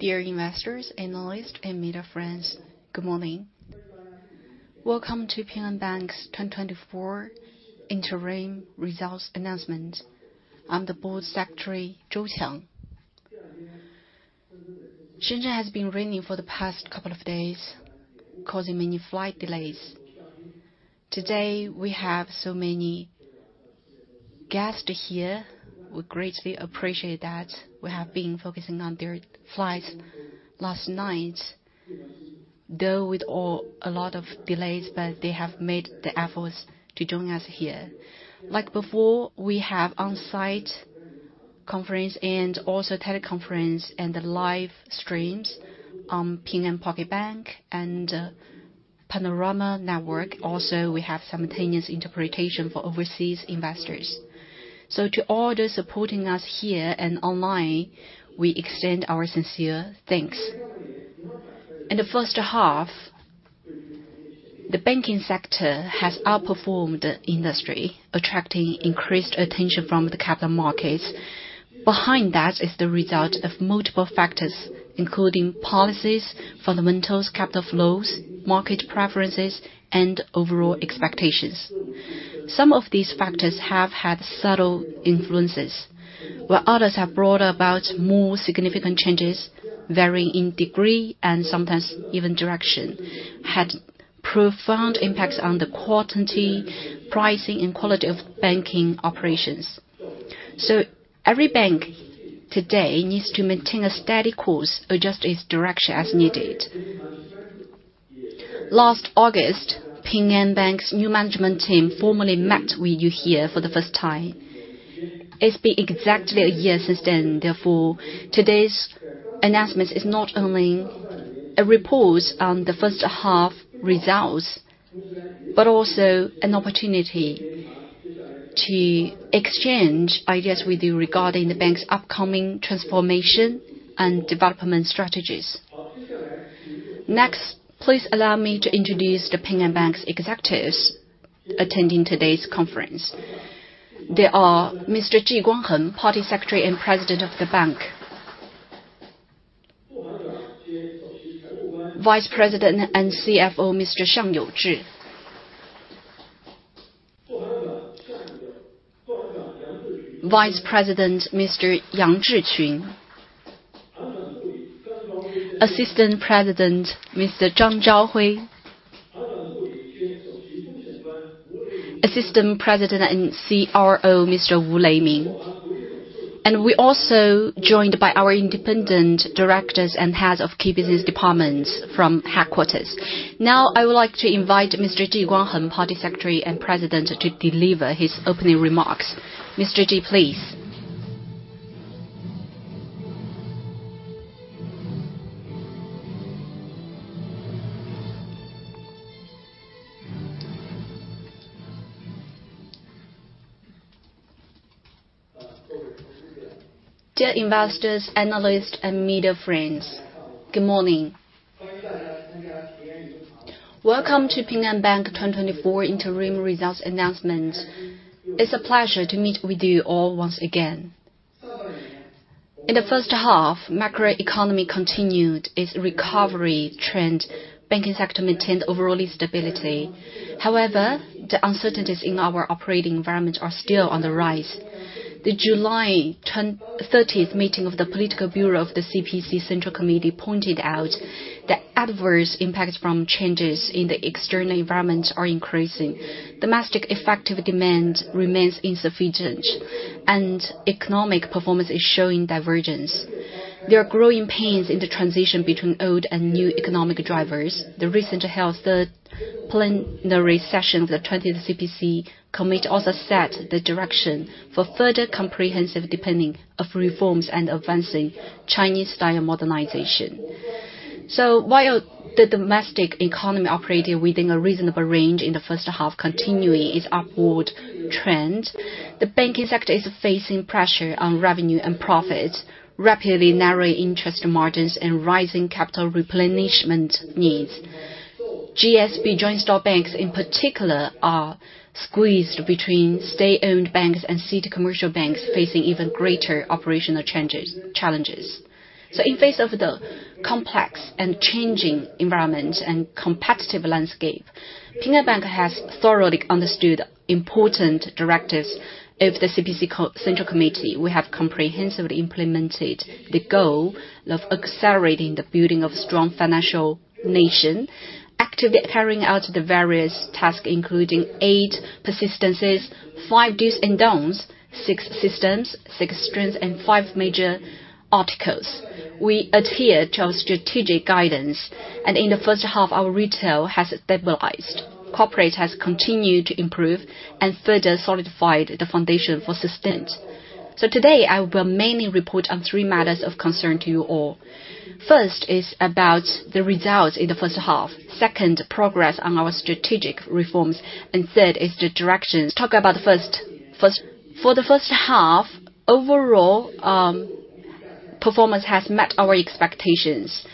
Dear investors, analysts, and media friends, good morning. Welcome to Ping An Bank's 2024 interim results announcement. I'm the Board Secretary, Zhou Qiang. Shenzhen has been raining for the past couple of days, causing many flight delays. Today, we have so many guests here. We greatly appreciate that. We have been focusing on their flights last night, though with a lot of delays, but they have made the efforts to join us here. Like before, we have on-site conference and also teleconference and the live streams on Ping An Pocket Bank and Panorama Network. Also, we have simultaneous interpretation for overseas investors. So to all those supporting us here and online, we extend our sincere thanks. In the first half, the banking sector has outperformed the industry, attracting increased attention from the capital markets. Behind that is the result of multiple factors, including policies, fundamentals, capital flows, market preferences, and overall expectations. Some of these factors have had subtle influences, while others have brought about more significant changes, varying in degree and sometimes even direction, had profound impacts on the quantity, pricing, and quality of banking operations. So every bank today needs to maintain a steady course, adjust its direction as needed. Last August, Ping An Bank's new management team formally met with you here for the first time. It's been exactly a year since then. Therefore, today's announcement is not only a report on the first half results, but also an opportunity to exchange ideas with you regarding the bank's upcoming transformation and development strategies. Next, please allow me to introduce the Ping An Bank's executives attending today's conference. They are Mr. Ji Guangheng, Party Secretary and President of the bank. Vice President and CFO, Mr. Xiang Youzhi. Vice President, Mr. Yang Zhixun. Assistant President, Mr. Zhang Zhaohui. Assistant President and CRO, Mr. Wu Leiming. We also joined by our independent directors and heads of key business departments from headquarters. Now, I would like to invite Mr. Ji Guangheng, Party Secretary and President, to deliver his opening remarks. Mr. Ji, please. Dear investors, analysts, and media friends, good morning. Welcome to Ping An Bank 2024 interim results announcement. It's a pleasure to meet with you all once again. In the first half, macroeconomy continued its recovery trend. Banking sector maintained overall stability. However, the uncertainties in our operating environment are still on the rise. The July 10-13th meeting of the Political Bureau of the CPC Central Committee pointed out that adverse impacts from changes in the external environment are increasing. Domestic effective demand remains insufficient, and economic performance is showing divergence. There are growing pains in the transition between old and new economic drivers. The recently held third plenary session of the twentieth CPC Central Committee also set the direction for further comprehensive deepening of reforms and advancing Chinese-style modernization. So while the domestic economy operated within a reasonable range in the first half, continuing its upward trend, the banking sector is facing pressure on revenue and profits, rapidly narrowing interest margins and rising capital replenishment needs. JSB, Joint Stock Banks, in particular, are squeezed between state-owned banks and city commercial banks, facing even greater operational challenges. So in face of the complex and changing environment and competitive landscape, Ping An Bank has thoroughly understood important directives of the CPC Central Committee. We have comprehensively implemented the goal of accelerating the building of strong financial nation, actively carrying out the various tasks, including Eight Persistences, Five Dos and Don'ts, six systems, six strengths, and Five Major Articles. We adhere to our strategic guidance, and in the first half, our retail has stabilized. Corporate has continued to improve and further solidified the foundation for sustained. So today, I will mainly report on three matters of concern to you all. First is about the results in the first half, second, progress on our strategic reforms, and third is the directions. Talk about the first. First, for the first half, overall, performance has met our expectations.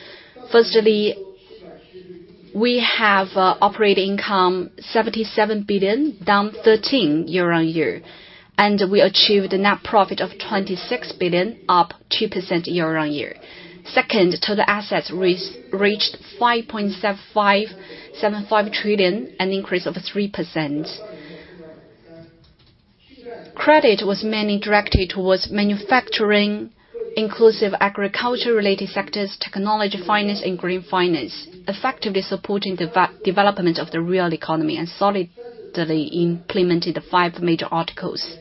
We have operating income 77 billion, down 13% year-on-year, and we achieved a net profit of 26 billion, up 2% year-on-year. Second, total assets reached 5.75 trillion, an increase of 3%. Credit was mainly directed towards manufacturing, inclusive agriculture-related sectors, technology, finance, and green finance, effectively supporting the development of the real economy and solidly implemented the Five Major Articles.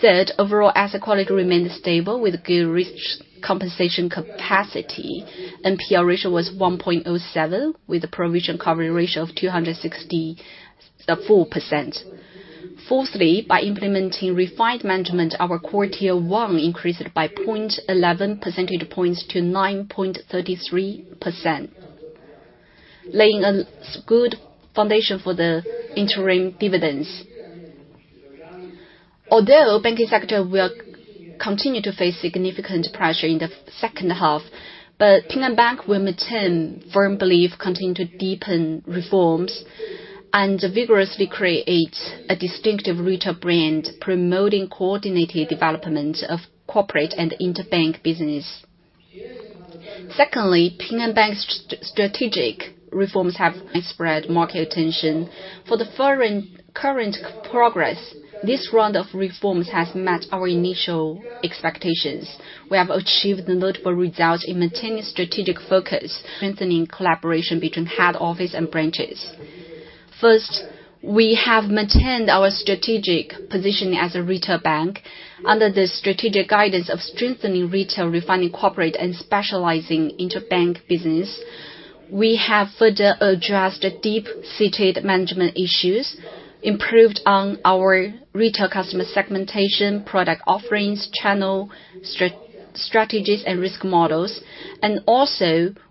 Third, overall asset quality remained stable with good risk compensation capacity. NPL ratio was 1.07%, with a provision coverage ratio of 264%. Fourthly, by implementing refined management, our Core Tier 1 increased by 0.11 percentage points to 9.33%, laying a good foundation for the interim dividends. Although banking sector will continue to face significant pressure in the second half, but Ping An Bank will maintain firm belief, continue to deepen reforms, and vigorously create a distinctive retail brand, promoting coordinated development of corporate and interbank business. Secondly, Ping An Bank's strategic reforms have spread market attention. For the current progress, this round of reforms has met our initial expectations. We have achieved notable results in maintaining strategic focus, strengthening collaboration between head office and branches. First, we have maintained our strategic position as a retail bank. Under the strategic guidance of strengthening retail, refining corporate, and specializing interbank business, we have further addressed deep-seated management issues, improved on our retail customer segmentation, product offerings, channel strategies, and risk models.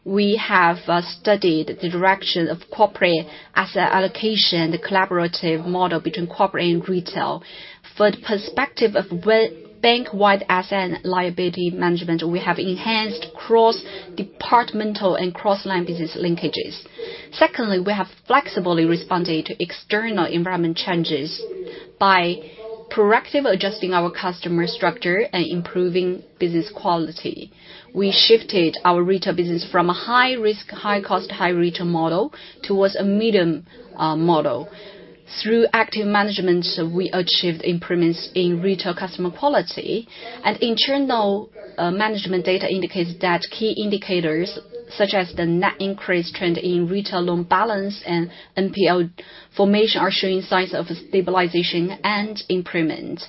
We have studied the direction of corporate asset allocation, the collaborative model between corporate and retail. For the perspective of bank-wide asset and liability management, we have enhanced cross-departmental and cross-line business linkages. Secondly, we have flexibly responded to external environment changes by proactively adjusting our customer structure and improving business quality. We shifted our retail business from a high-risk, high-cost, high-retail model towards a medium model. Through active management, we achieved improvements in retail customer quality, and internal management data indicates that key indicators, such as the net increase trend in retail loan balance and NPL formation, are showing signs of stabilization and improvement.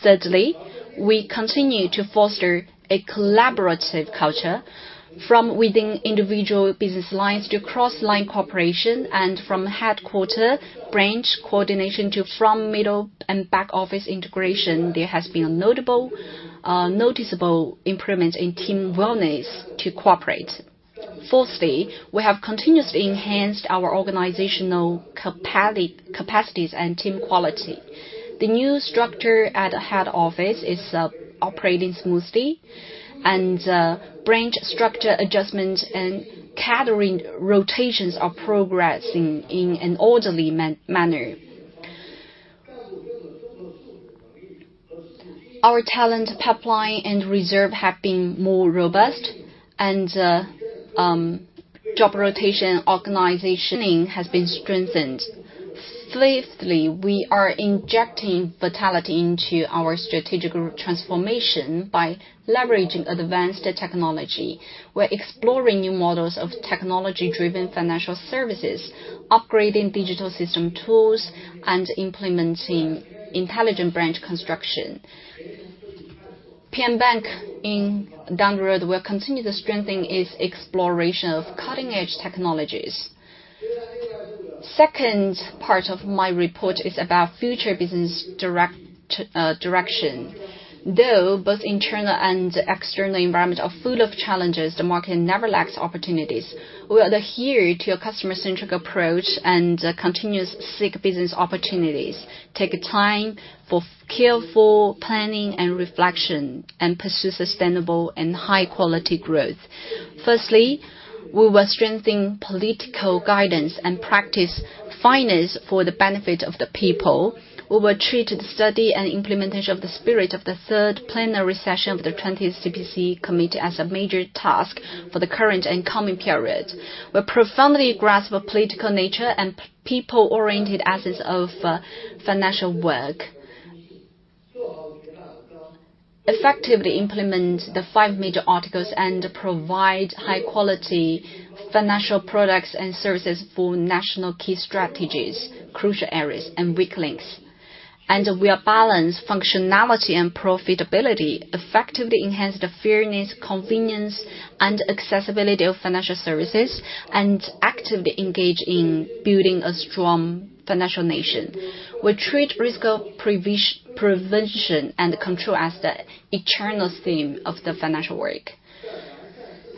Thirdly, we continue to foster a collaborative culture from within individual business lines to cross-line cooperation, and from headquarter-branch coordination to front, middle, and back-office integration. There has been a notable noticeable improvement in team willingness to cooperate. Fourthly, we have continuously enhanced our organizational capacities and team quality. The new structure at the head office is operating smoothly, and branch structure adjustment and catering rotations are progressing in an orderly manner. Our talent pipeline and reserve have been more robust, and job rotation organizing has been strengthened. Fifthly, we are injecting vitality into our strategic transformation by leveraging advanced technology. We're exploring new models of technology-driven financial services, upgrading digital system tools, and implementing intelligent branch construction. Ping An Bank, in down the road, will continue to strengthen its exploration of cutting-edge technologies. Second part of my report is about future business direct, direction. Though both internal and external environment are full of challenges, the market never lacks opportunities. We will adhere to a customer-centric approach and continuously seek business opportunities, take time for careful planning and reflection, and pursue sustainable and high-quality growth. Firstly, we will strengthen political guidance and practice finance for the benefit of the people. We will treat the study and implementation of the spirit of the third plenary session of the twentieth CPC Committee as a major task for the current and coming periods. We'll profoundly grasp the political nature and people-oriented essence of financial work, effectively implement the five major articles, and provide high-quality financial products and services for national key strategies, crucial areas, and weak links. We'll balance functionality and profitability, effectively enhance the fairness, convenience, and accessibility of financial services, and actively engage in building a strong financial nation. We'll treat risk prevention and control as the eternal theme of the financial work,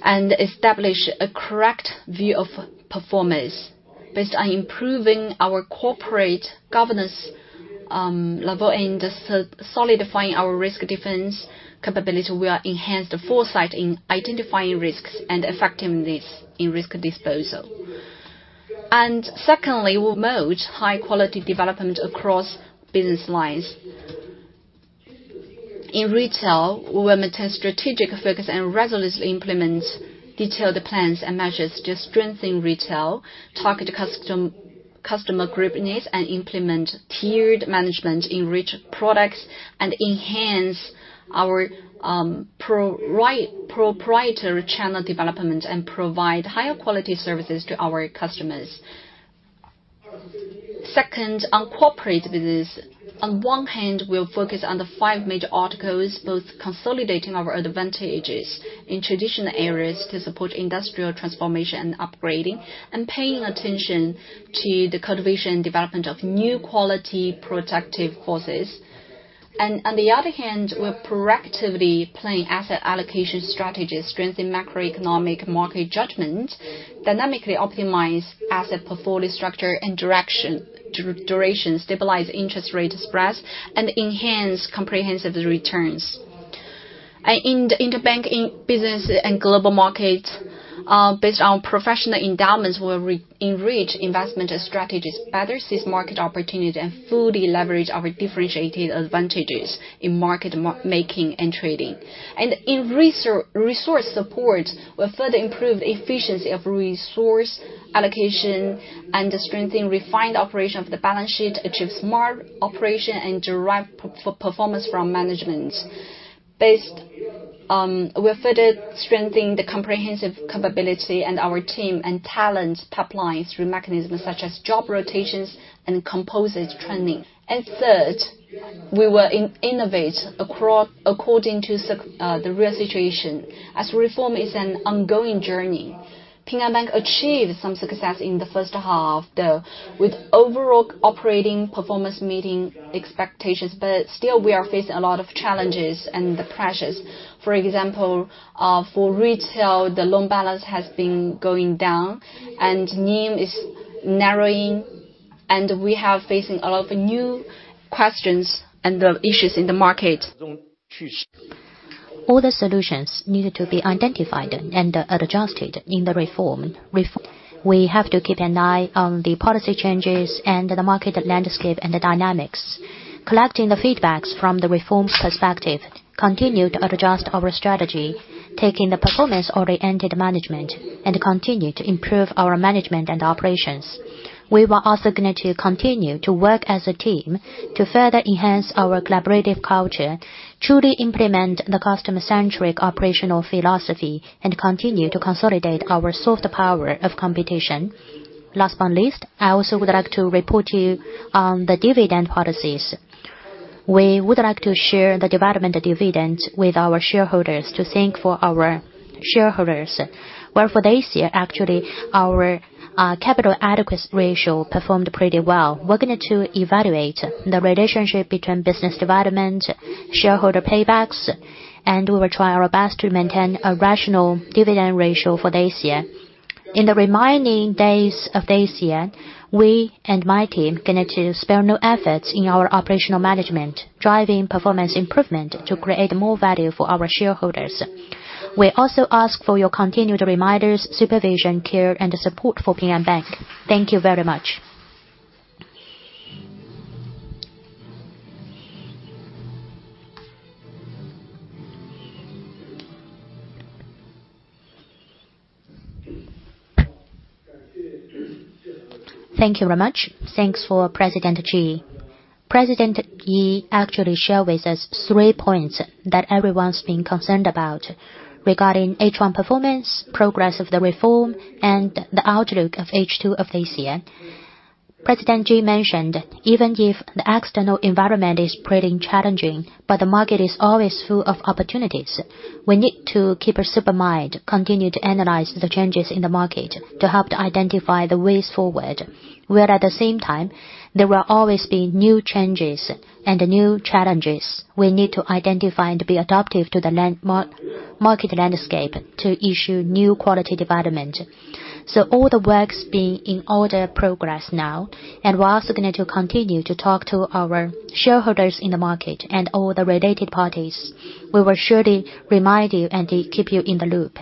and establish a correct view of performance based on improving our corporate governance- level and just solidifying our risk defense capability will enhance the foresight in identifying risks and effectiveness in risk disposal. And secondly, we'll promote high-quality development across business lines. In retail, we will maintain strategic focus and resolutely implement detailed plans and measures to strengthen retail, target customer group needs, and implement tiered management in rich products, and enhance our proprietary channel development, and provide higher quality services to our customers. Second, on corporate business, on one hand, we'll focus on the five major articles, both consolidating our advantages in traditional areas to support industrial transformation and upgrading, and paying attention to the cultivation and development of new quality productive forces. And on the other hand, we're proactively deploying asset allocation strategies, strengthen macroeconomic market judgment, dynamically optimize asset portfolio structure and direction, duration, stabilize interest rate spreads, and enhance comprehensive returns. In the banking business and global markets, based on professional endowments, we're re-enrich investment strategies, better seize market opportunities, and fully leverage our differentiated advantages in market making and trading. In resource support, we'll further improve the efficiency of resource allocation and strengthen refined operation of the balance sheet, achieve smart operation, and derive performance from management. We're further strengthening the comprehensive capability and our team and talent pipeline through mechanisms such as job rotations and composite training. Third, we will innovate across, according to the real situation, as reform is an ongoing journey. Ping An Bank achieved some success in the first half, though, with overall operating performance meeting expectations, but still we are facing a lot of challenges and the pressures. For example, for retail, the loan balance has been going down and NIM is narrowing, and we have facing a lot of new questions and the issues in the market. All the solutions needed to be identified and adjusted in the reform. We have to keep an eye on the policy changes and the market landscape and the dynamics. Collecting the feedbacks from the reforms perspective, continue to adjust our strategy, taking the performance-oriented management and continue to improve our management and operations. We are also going to continue to work as a team to further enhance our collaborative culture, truly implement the customer-centric operational philosophy, and continue to consolidate our soft power of competition. Last but not least, I also would like to report to you on the dividend policies. We would like to share the development dividend with our shareholders to thank for our shareholders. Well, for this year, actually, our capital adequacy ratio performed pretty well. We're going to evaluate the relationship between business development, shareholder paybacks, and we will try our best to maintain a rational dividend ratio for this year. In the remaining days of this year, we and my team are going to spare no efforts in our operational management, driving performance improvement to create more value for our shareholders. We also ask for your continued reminders, supervision, care, and support for Ping An Bank. Thank you very much. Thank you very much. Thanks for President Ji. President Ji actually shared with us three points that everyone's been concerned about regarding H1 performance, progress of the reform, and the outlook of H2 of this year. President Ji mentioned, even if the external environment is pretty challenging, but the market is always full of opportunities. We need to keep a super mind, continue to analyze the changes in the market to help to identify the ways forward, where at the same time, there will always be new changes and new challenges. We need to identify and be adaptive to the market landscape to issue new quality development. So all the work's being in order progress now, and we're also going to continue to talk to our shareholders in the market and all the related parties. We will surely remind you and keep you in the loop.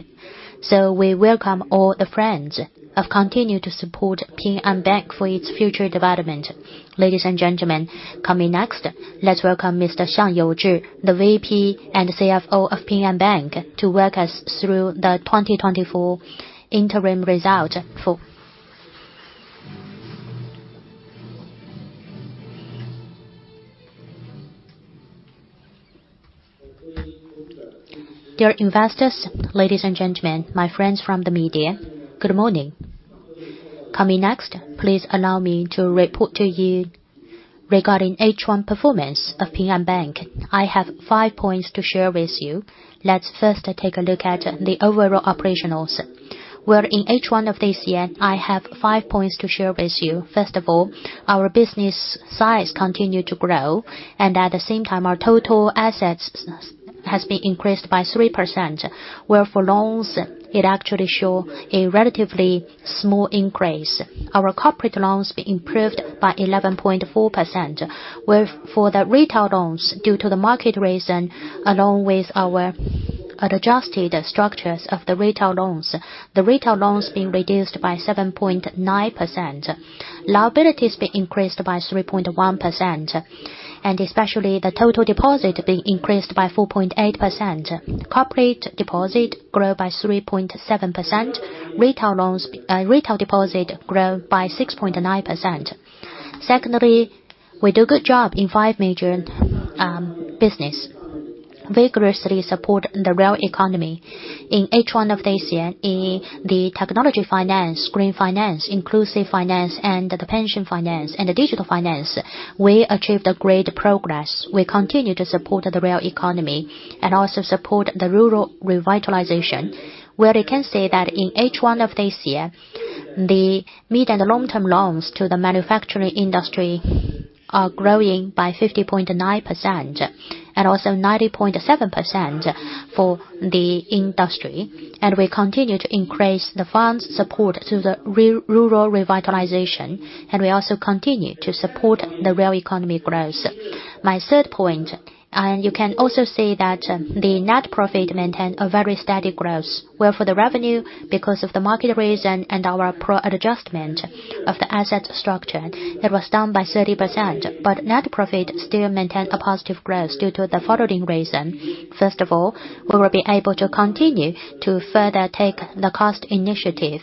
So we welcome all the friends to continue to support Ping An Bank for its future development. Ladies and gentlemen, coming next, let's welcome Mr. Xiang Youzhi, the VP and CFO of Ping An Bank, to walk us through the 2024 interim result for... Dear investors, ladies and gentlemen, my friends from the media, good morning. Coming next, please allow me to report to you regarding H1 performance of Ping An Bank. I have five points to share with you. Let's first take a look at the overall operations, where in H1 of this year, I have five points to share with you. First of all, our business size continued to grow, and at the same time, our total assets size has been increased by 3%, where for loans, it actually show a relatively small increase. Our corporate loans improved by 11.4%, where for the retail loans, due to the market reason, along with our adjusted structures of the retail loans, the retail loans being reduced by 7.9%. Liabilities be increased by 3.1%, and especially the total deposit being increased by 4.8%. Corporate deposit grew by 3.7%. Retail loans, retail deposit grew by 6.9%. Secondly, we do good job in five major business. Vigorously support the real economy. In H1 of this year, in the Technology Finance, Green Finance, Inclusive Finance, and the Pension Finance, and the Digital Finance, we achieved a great progress. We continue to support the real economy and also support the rural revitalization, where you can say that in H1 of this year, the mid and the long-term loans to the manufacturing industry are growing by 50.9%, and also 90.7% for the industry. We continue to increase the funds support to the rural revitalization, and we also continue to support the real economy growth. My third point, and you can also see that, the net profit maintained a very steady growth, where for the revenue, because of the market reason and our proactive adjustment of the asset structure, it was down by 30%, but net profit still maintained a positive growth due to the following reason. First of all, we will be able to continue to further take the cost initiative.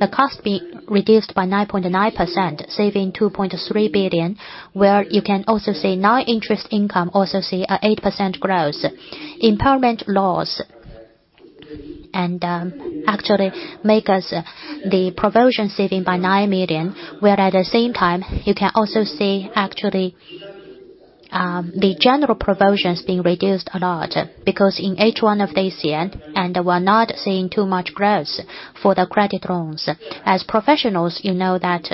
The cost being reduced by 9.9%, saving 2.3 billion, where you can also see non-interest income also see an 8% growth. Impairment loss and, actually make us the provision saving by 9 million, where at the same time, you can also see actually, the general provisions being reduced a lot, because in H1 of this year, and we're not seeing too much growth for the credit loans. As professionals, you know that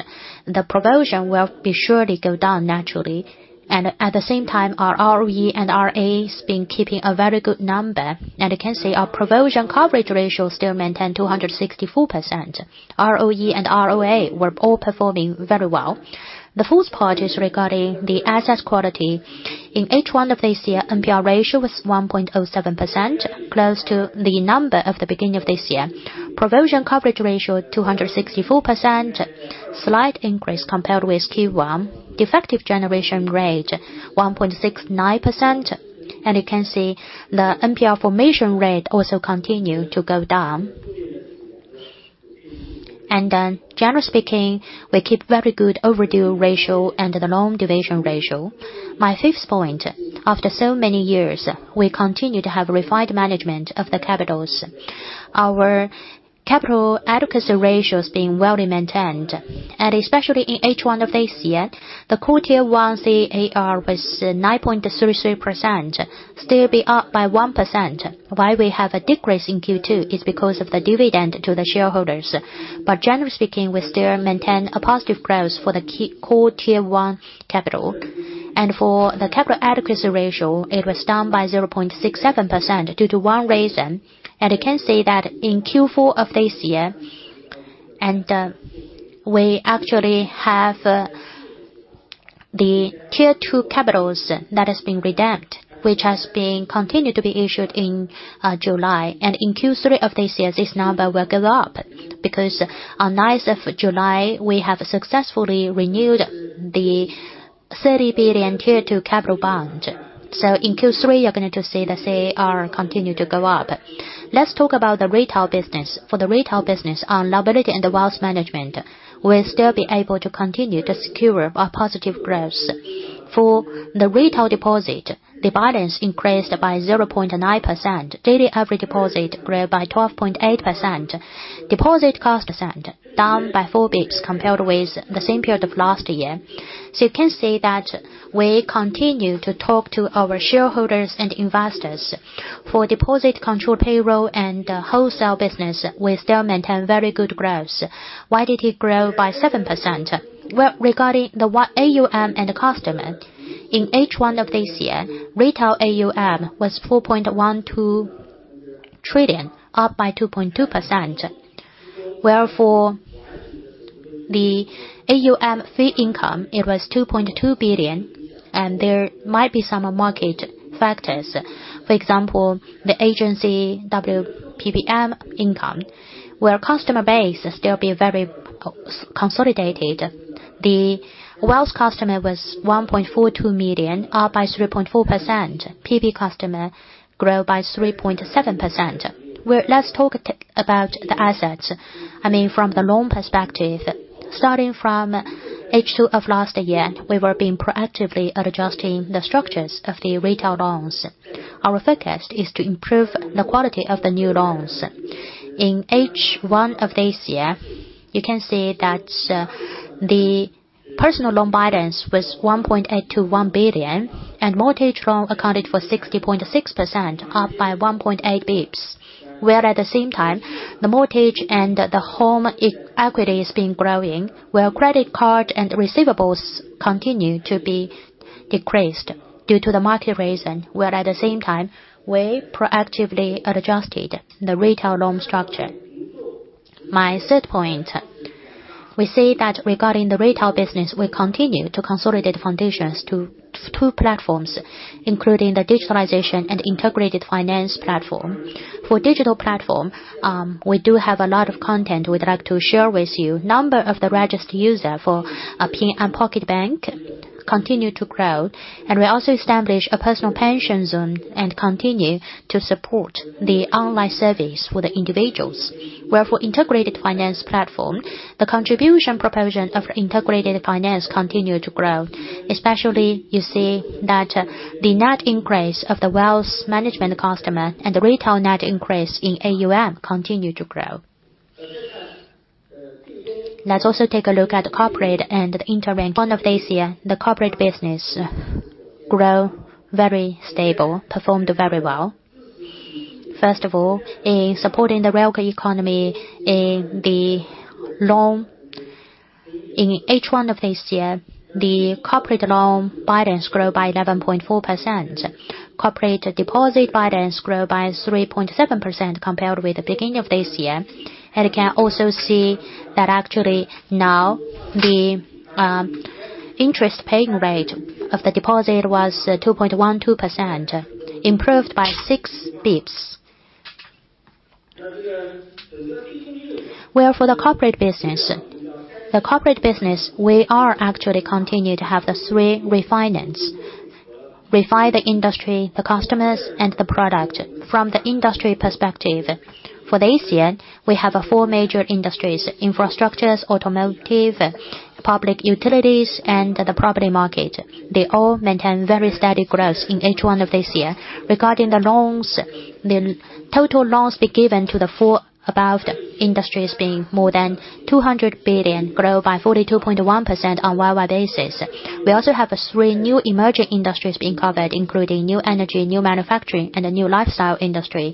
the provision will be surely go down naturally, and at the same time, our ROE and ROA been keeping a very good number. And you can see our provision coverage ratio still maintain 264%. ROE and ROA were all performing very well. The fourth part is regarding the asset quality. In H1 of this year, NPL ratio was 1.07%, close to the number of the beginning of this year. Provision coverage ratio, 264%, slight increase compared with Q1. Default generation rate, 1.69%. You can see the NPL formation rate also continue to go down. Generally speaking, we keep very good overdue ratio and the loan deviation ratio. My fifth point, after so many years, we continue to have refined management of the capitals. Our capital adequacy ratios being well maintained, and especially in H1 of this year, the core Tier 1 CAR was 9.33%, still be up by 1%. Why we have a decrease in Q2 is because of the dividend to the shareholders. But generally speaking, we still maintain a positive growth for the core Tier 1 capital. For the capital adequacy ratio, it was down by 0.67% due to one reason. You can see that in Q4 of this year, and, we actually have, the Tier 2 capitals that has been redeemed, which has been continued to be issued in, July. And in Q3 of this year, this number will go up, because on ninth of July, we have successfully renewed the 30 billion Tier 2 capital bond. So in Q3, you're going to see the CAR continue to go up. Let's talk about the retail business. For the retail business on liability and the wealth management, we'll still be able to continue to secure a positive growth. For the retail deposit, the balance increased by 0.9%. Daily average deposit grew by 12.8%. Deposit cost percent, down by four basis points compared with the same period of last year. So you can see that we continue to talk to our shareholders and investors. For deposit controlled payroll and wholesale business, we still maintain very good growth. Why did it grow by 7%? Well, regarding AUM and the customer, in H1 of this year, retail AUM was 4.12 trillion, up by 2.2%. Whereas for the AUM fee income, it was 2.2 billion, and there might be some market factors. For example, the agency, WPPM income, where customer base still be very consolidated. The wealth customer was 1.42 million, up by 3.4%. PB customer grew by 3.7%. Well, let's talk about the assets. I mean, from the loan perspective, starting from H2 of last year, we were being proactively adjusting the structures of the retail loans. Our focus is to improve the quality of the new loans. In H1 of this year, you can see that, the personal loan balance was 1.821 billion, and mortgage loan accounted for 60.6%, up by 1.8 basis points.... where at the same time, the mortgage and the home equity is being growing, where credit card and receivables continue to be decreased due to the market reason, where at the same time, we proactively adjusted the retail loan structure. My third point, we see that regarding the retail business, we continue to consolidate foundations to two platforms, including the digitalization and integrated finance platform. For digital platform, we do have a lot of content we'd like to share with you. Number of the registered user for Ping An Pocket Bank continue to grow, and we also establish a personal pension zone and continue to support the online service for the individuals. Where for integrated finance platform, the contribution proportion of integrated finance continued to grow, especially you see that the net increase of the wealth management customer and the retail net increase in AUM continued to grow. Let's also take a look at the corporate and the interbank. H1 of this year, the corporate business grow very stable, performed very well. First of all, in supporting the real economy in the loan, in H1 of this year, the corporate loan balance grew by 11.4%. Corporate deposit balance grew by 3.7% compared with the beginning of this year. And you can also see that actually now, the interest paying rate of the deposit was 2.12%, improved by six basis points. Where for the corporate business, the corporate business, we are actually continue to have the three refinance: refine the industry, the customers, and the product. From the industry perspective, for this year, we have four major industries: infrastructures, automotive, public utilities, and the property market. They all maintain very steady growth in H1 of this year. Regarding the loans, the total loans be given to the four above industries being more than 200 billion, grow by 42.1% on year-over-year basis. We also have three new emerging industries being covered, including new energy, new manufacturing, and a new lifestyle industry.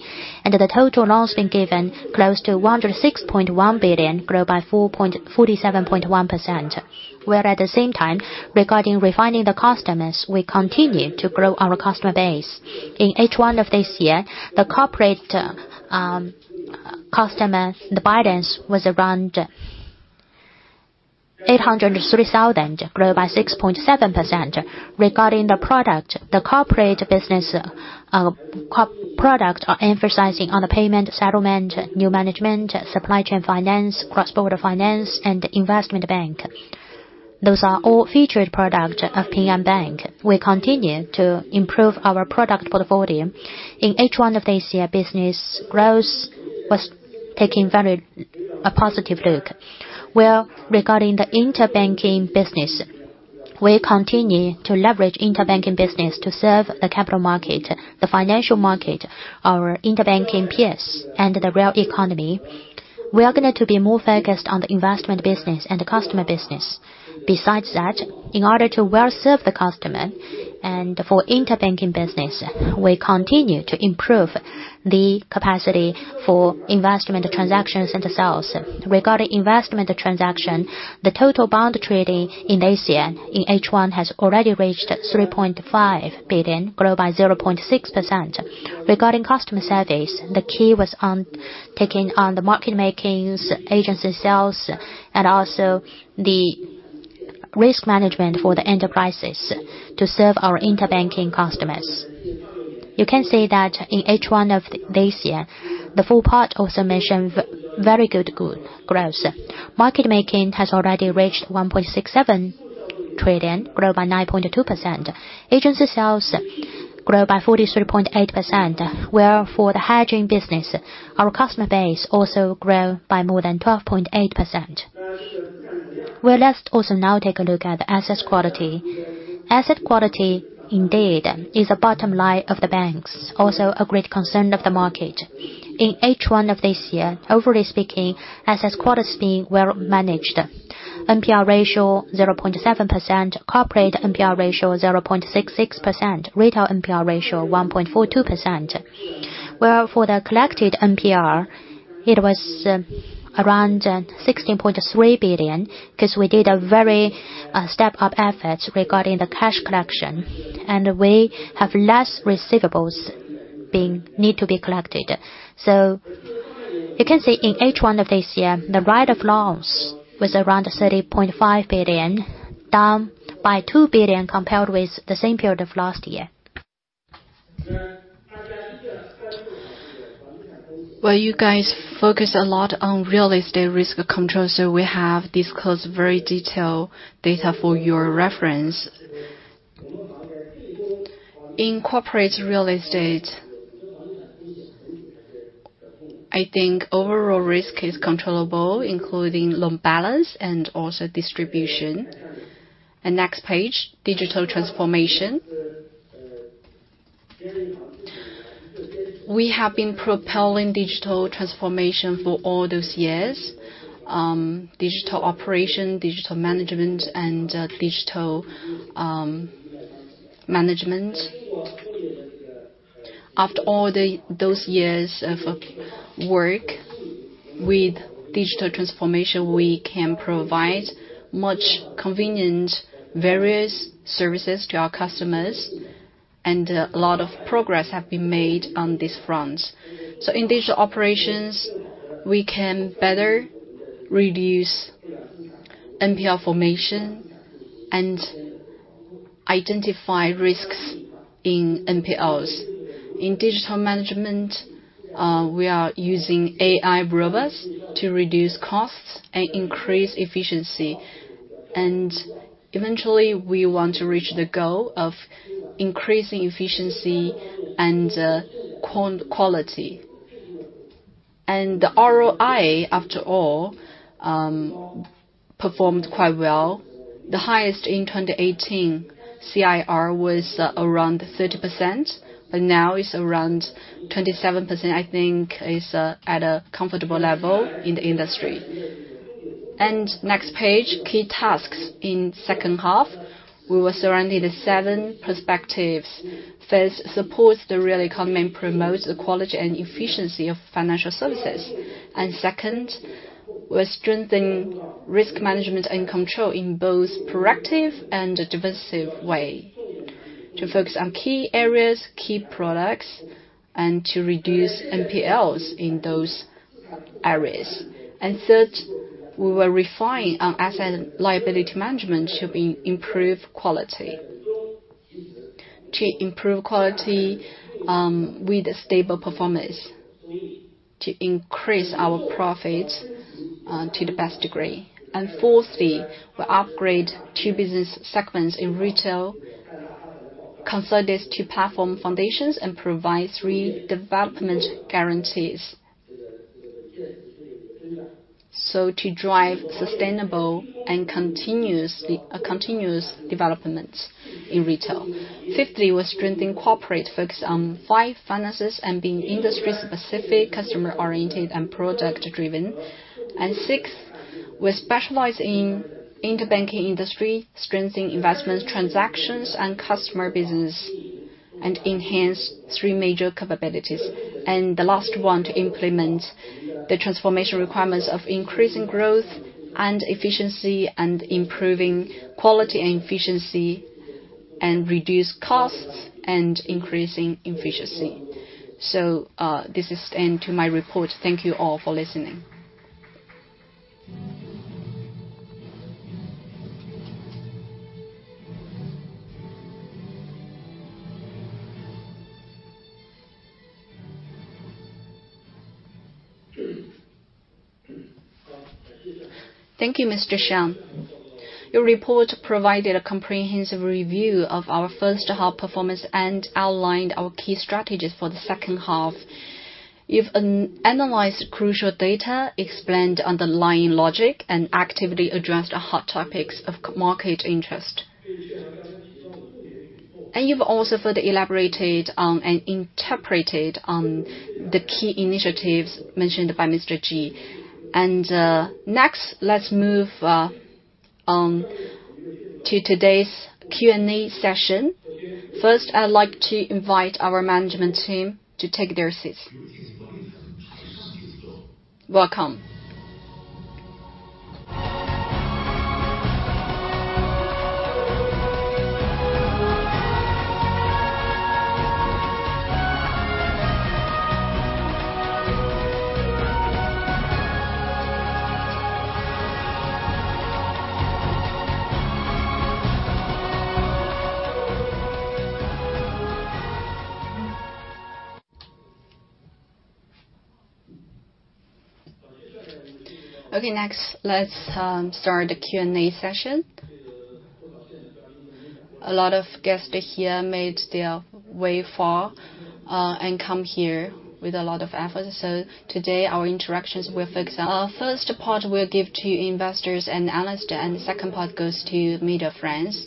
The total loans being given close to 106.1 billion, grew by 47.1%. Whereas at the same time, regarding refining the customers, we continue to grow our customer base. In H1 of this year, the corporate customer balance was around 803,000, grew by 6.7%. Regarding the product, the corporate business co-product are emphasizing on the payment, settlement, new management, supply chain finance, cross-border finance, and investment bank. Those are all featured product of Ping An Bank. We continue to improve our product portfolio. In H1 of this year, business growth was taking very a positive look. Whereas regarding the interbanking business, we continue to leverage interbanking business to serve the capital market, the financial market, our interbanking peers, and the real economy. We are going to be more focused on the investment business and the customer business. Besides that, in order to well serve the customer and for interbanking business, we continue to improve the capacity for investment transactions and sales. Regarding investment transaction, the total bond trading in this year, in H1, has already reached 3.5 billion, grow by 0.6%. Regarding customer service, the key was on taking on the market makings, agency sales, and also the risk management for the enterprises to serve our interbanking customers. You can see that in H1 of this year, the four part also mentioned very good growth. Market making has already reached 1.67 trillion, grow by 9.2%. Agency sales grew by 43.8%, where for the hiring business, our customer base also grew by more than 12.8%. Well, let's also now take a look at the asset quality. Asset quality, indeed, is a bottom line of the banks, also a great concern of the market. In H1 of this year, overall speaking, asset quality is being well managed. NPL ratio, 0.7%, corporate NPL ratio, 0.66%, retail NPL ratio, 1.42%. Where for the collected NPL, it was around 16.3 billion, 'cause we did a very step-up efforts regarding the cash collection, and we have less receivables need to be collected. So you can see in H1 of this year, the write-off of loans was around 30.5 billion, down by 2 billion compared with the same period of last year. Well, you guys focus a lot on real estate risk control, so we have discussed very detailed data for your reference. In corporate real estate, I think overall risk is controllable, including loan balance and also distribution. And next page, digital transformation. We have been propelling digital transformation for all those years. Digital operation, digital management, and digital management. After all those years of work with digital transformation, we can provide much convenient various services to our customers, and a lot of progress have been made on this front. So in digital operations, we can better reduce NPL formation and identify risks in NPLs. In digital management, we are using AI robots to reduce costs and increase efficiency. And eventually, we want to reach the goal of increasing efficiency and quality. And the ROI, after all, performed quite well. The highest in 2018, CIR was around 30%, but now it's around 27%. I think it is at a comfortable level in the industry. Next page, key tasks. In second half, we will surrounding the seven perspectives. First, supports the real economy and promotes the quality and efficiency of financial services. And second, we're strengthening risk management and control in both proactive and divisive way. To focus on key areas, key products, and to reduce NPLs in those areas. And third, we will refine our asset and liability management to be improve quality. To improve quality with a stable performance, to increase our profits to the best degree. And fourthly, we upgrade two business segments in retail, consider this two platform foundations and provide three development guarantees. So to drive sustainable and continuous development in retail. Fifthly, we're strengthening corporate focus on five finances and being industry-specific, customer-oriented, and product-driven. Sixth, we specialize in interbanking industry, strengthening investment transactions and customer business, and enhance three major capabilities. And the last one, to implement the transformation requirements of increasing growth and efficiency, and improving quality and efficiency, and reduce costs, and increasing efficiency. So, this is end to my report. Thank you all for listening. Thank you, Mr. Xiang. Your report provided a comprehensive review of our first half performance and outlined our key strategies for the second half. You've analyzed crucial data, explained underlying logic, and actively addressed the hot topics of market interest. And you've also further elaborated on and interpreted on the key initiatives mentioned by Mr. Ji. Next, let's move to today's Q&A session. First, I'd like to invite our management team to take their seats. Welcome. Okay, next, let's start the Q&A session. A lot of guests here made their way far and come here with a lot of effort. So today, our interactions with... Our first part we'll give to investors and analysts, and the second part goes to media friends.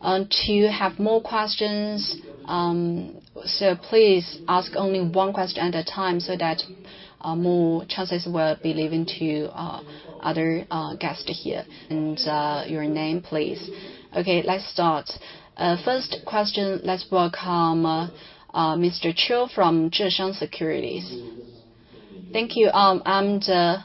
To have more questions, so please ask only one question at a time, so that more chances will be leaving to other guests here. And your name, please. Okay, let's start. First question, let's welcome Mr. Chiu from Zheshang Securities. Thank you. I'm the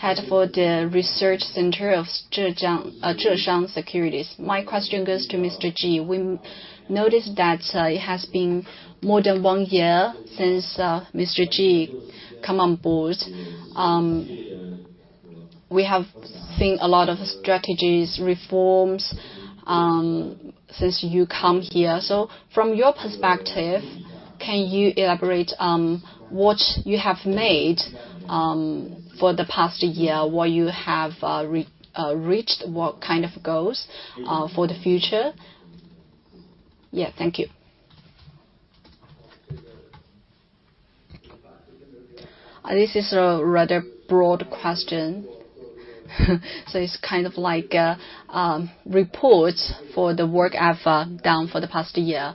head for the research center of Zheshang Securities. My question goes to Mr. Ji. We noticed that it has been more than one year since Mr. Ji come on board. We have seen a lot of strategies, reforms, since you come here. So from your perspective, can you elaborate, what you have made, for the past year? What you have, reached, what kind of goals, for the future? Yeah, thank you. This is a rather broad question. So it's kind of like a, report for the work I've, done for the past year.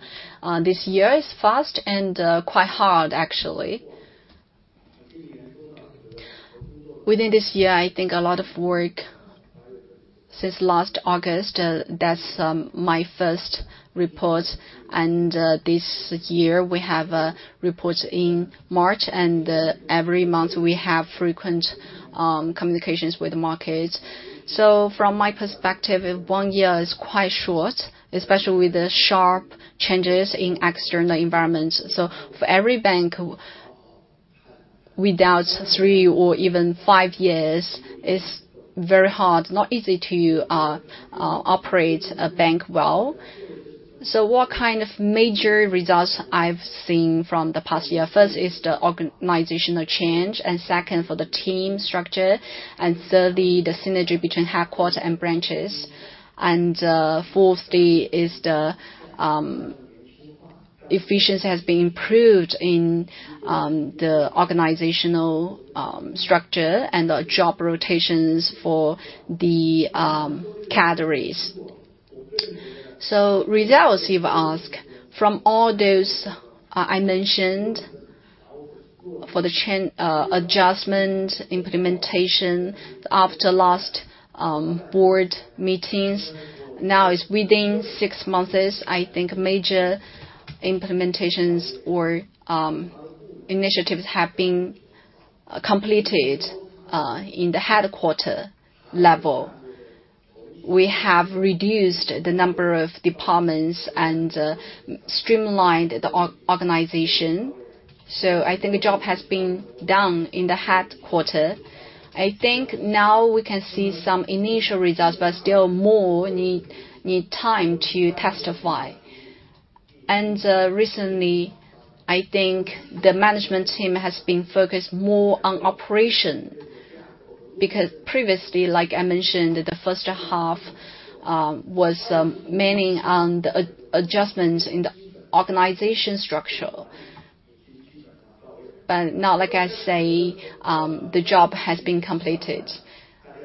This year is fast and, quite hard, actually. Within this year, I think a lot of work since last August, that's, my first report, and, this year we have a report in March, and, every month we have frequent, communications with the markets. So from my perspective, one year is quite short, especially with the sharp changes in external environment. So for every bank, without 3 or even 5 years, it's very hard, not easy to operate a bank well. So what kind of major results I've seen from the past year? First is the organizational change, and second, for the team structure, and thirdly, the synergy between headquarters and branches. And fourthly is the efficiency has been improved in the organizational structure and the job rotations for the categories. So results, you've asked. From all those, I mentioned for the change adjustment implementation after last board meetings, now it's within 6 months, I think major implementations or initiatives have been completed in the headquarters level. We have reduced the number of departments and streamlined the organization. So I think the job has been done in the headquarters. I think now we can see some initial results, but still more need time to testify. And recently, I think the management team has been focused more on operation, because previously, like I mentioned, the first half was mainly on the adjustments in the organization structure. But now, like I say, the job has been completed.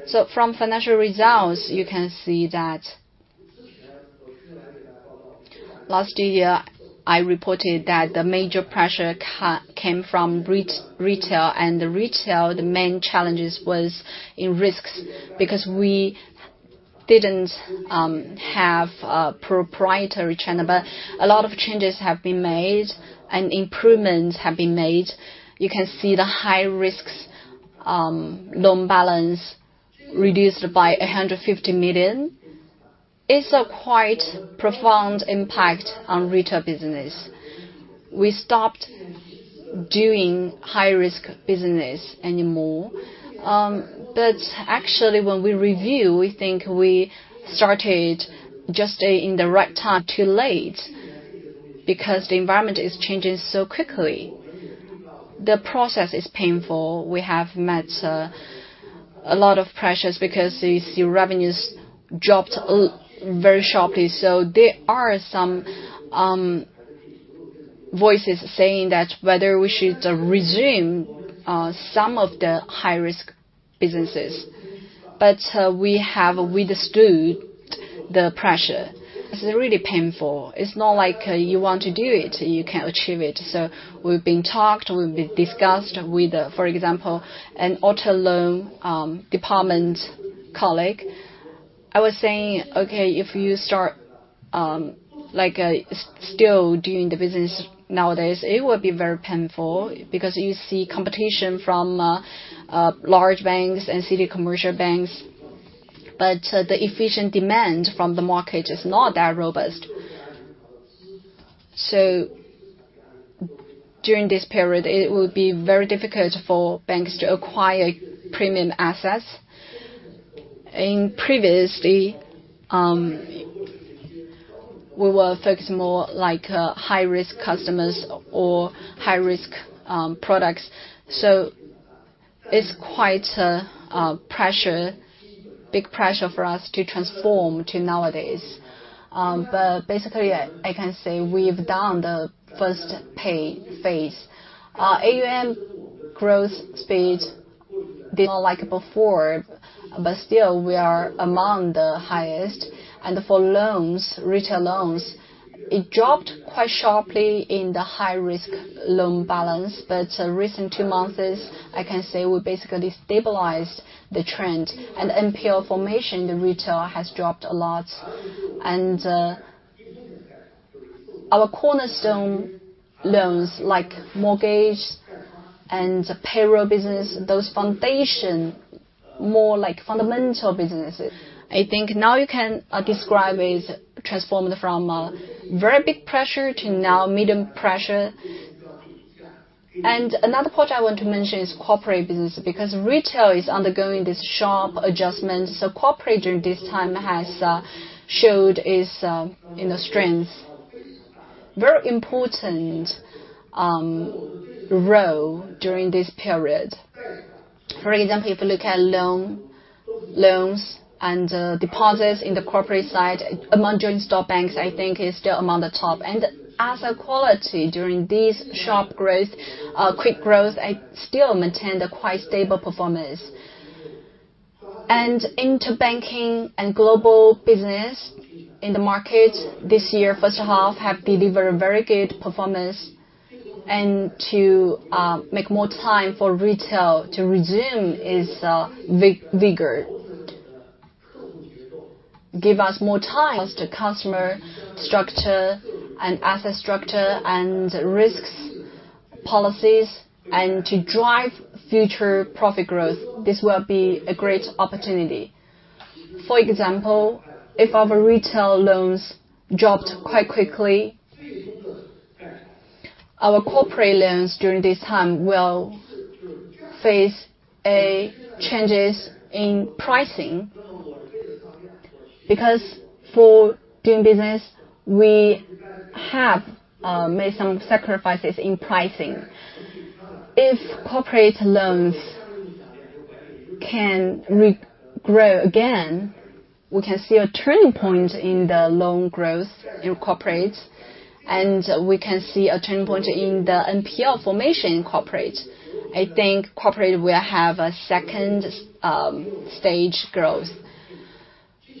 So from financial results, you can see that last year, I reported that the major pressure came from retail, and the retail, the main challenges was in risks, because we didn't have a proprietary channel. But a lot of changes have been made and improvements have been made. You can see the high-risk loan balance reduced by 150 million. It's a quite profound impact on retail business. We stopped doing high-risk business anymore. But actually, when we review, we think we started just in the right time, too late, because the environment is changing so quickly. The process is painful. We have met a lot of pressures because the revenues dropped very sharply. So there are some voices saying that whether we should resume some of the high-risk businesses. But we have withstood the pressure. It's really painful. It's not like you want to do it, you can achieve it. So we've been talked, we've been discussed with, for example, an auto loan department colleague. I was saying, "Okay, if you start, like, still doing the business nowadays, it would be very painful because you see competition from, large banks and city commercial banks, but the efficient demand from the market is not that robust." During this period, it will be very difficult for banks to acquire premium assets. Previously, we were focused more like, high-risk customers or high-risk, products, so it's quite a pressure, big pressure for us to transform to nowadays. Basically, I can say we've done the first phase. Our AUM growth speed did not like before, but still we are among the highest. For loans, retail loans, it dropped quite sharply in the high-risk loan balance, but recent two months, I can say we basically stabilized the trend. NPL formation in the retail has dropped a lot. Our cornerstone loans, like mortgage and payroll business, those foundation more like fundamental businesses. I think now you can describe is transformed from very big pressure to now medium pressure. Another point I want to mention is corporate business, because retail is undergoing this sharp adjustment, so corporate during this time has showed its, you know, strength. Very important role during this period. For example, if you look at loans and deposits in the corporate side, among joint stock banks, I think is still among the top. And asset quality during this sharp growth, quick growth, I still maintain a quite stable performance. Interbank and global business in the market this year, first half, have delivered very good performance. To make more time for retail to resume is vigor. Give us more time to customer structure and asset structure and risks policies, and to drive future profit growth. This will be a great opportunity. For example, if our retail loans dropped quite quickly, our corporate loans during this time will face changes in pricing. Because for doing business, we have made some sacrifices in pricing. If corporate loans can regrow again, we can see a turning point in the loan growth in corporate, and we can see a turning point in the NPL formation in corporate. I think corporate will have a second stage growth.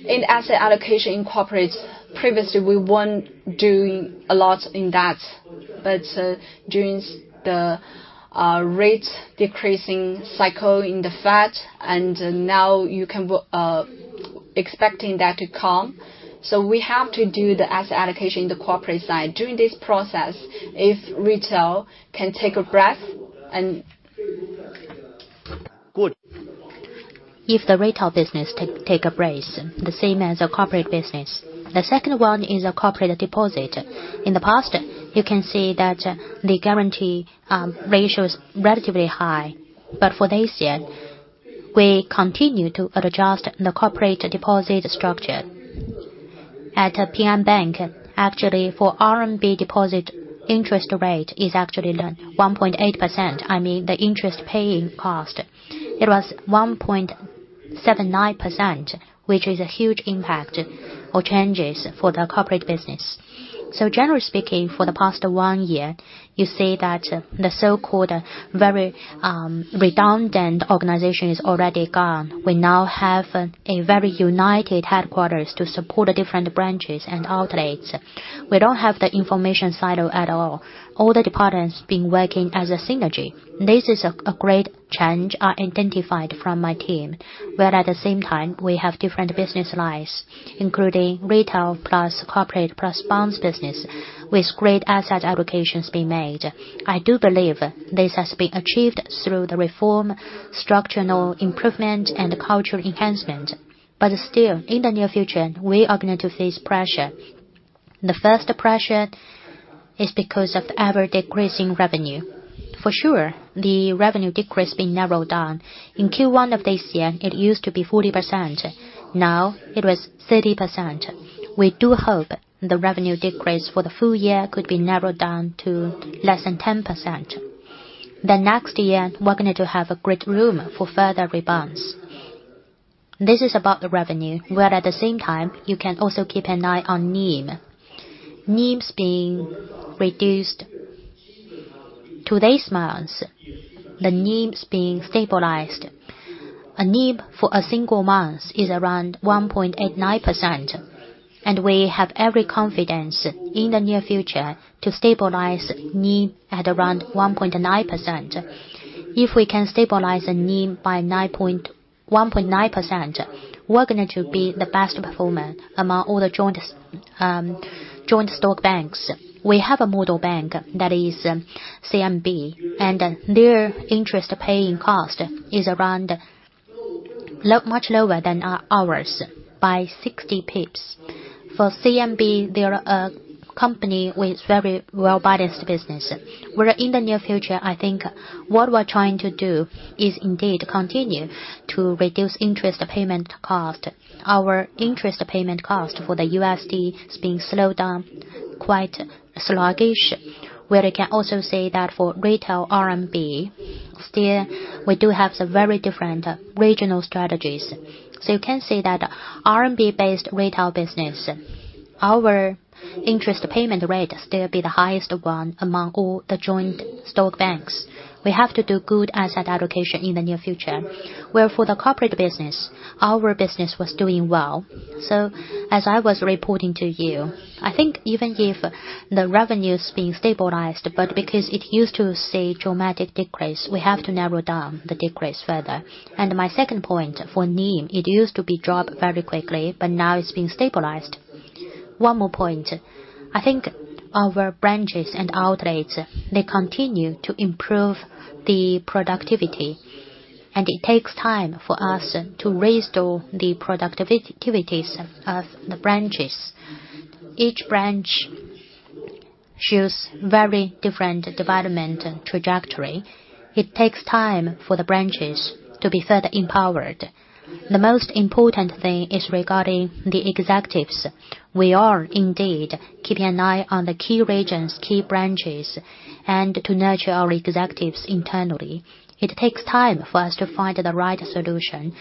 In asset allocation in corporate, previously, we weren't doing a lot in that, but during the rates decreasing cycle in the Fed, and now you can expecting that to come. We have to do the asset allocation in the corporate side. During this process, if retail can take a breath and- Good. If the retail business take a break, the same as a corporate business. The second one is a corporate deposit. In the past, you can see that the guarantee ratio is relatively high. But for this year, we continue to adjust the corporate deposit structure. At Ping An Bank, actually, for RMB deposit, interest rate is actually 1.8%. I mean, the interest paying cost. It was 1.79%, which is a huge impact or changes for the corporate business. So generally speaking, for the past one year, you see that the so-called very redundant organization is already gone. We now have a very united headquarters to support the different branches and outlets. We don't have the information silo at all. All the departments been working as a synergy. This is a great change I identified from my team, where at the same time, we have different business lines, including retail, plus corporate, plus bonds business, with great asset allocations being made. I do believe this has been achieved through the reform, structural improvement, and cultural enhancement. But still, in the near future, we are going to face pressure. The first pressure is because of ever-decreasing revenue. For sure, the revenue decrease being narrowed down. In Q1 of this year, it used to be 40%, now it was 30%. We do hope the revenue decrease for the full year could be narrowed down to less than 10%. The next year, we're going to have a great room for further rebounds. This is about the revenue, where at the same time, you can also keep an eye on NIM. NIM's being reduced. to this month, the NIM is being stabilized. The NIM for a single month is around 1.89%, and we have every confidence in the near future to stabilize NIM at around 1.9%. If we can stabilize the NIM at 1.9%, we're going to be the best performer among all the joint stock banks. We have a model bank that is CMB, and their interest paying cost is around much lower than ours, by 60 pips. For CMB, they're a company with very well-balanced business, where in the near future, I think what we're trying to do is indeed continue to reduce interest payment cost. Our interest payment cost for the USD is being slowed down, quite sluggish, where I can also say that for retail RMB, still, we do have some very different regional strategies. So you can say that RMB-based retail business, our interest payment rate still be the highest one among all the joint stock banks. We have to do good asset allocation in the near future, where for the corporate business, our business was doing well. So as I was reporting to you, I think even if the revenue is being stabilized, but because it used to see dramatic decrease, we have to narrow down the decrease further. And my second point for NIM, it used to be dropped very quickly, but now it's being stabilized. One more point. I think our branches and outlets, they continue to improve the productivity, and it takes time for us to restore the productivity activities of the branches. Each branch shows very different development and trajectory. It takes time for the branches to be further empowered. The most important thing is regarding the executives. We are indeed keeping an eye on the key regions, key branches, and to nurture our executives internally. It takes time for us to find the right solution.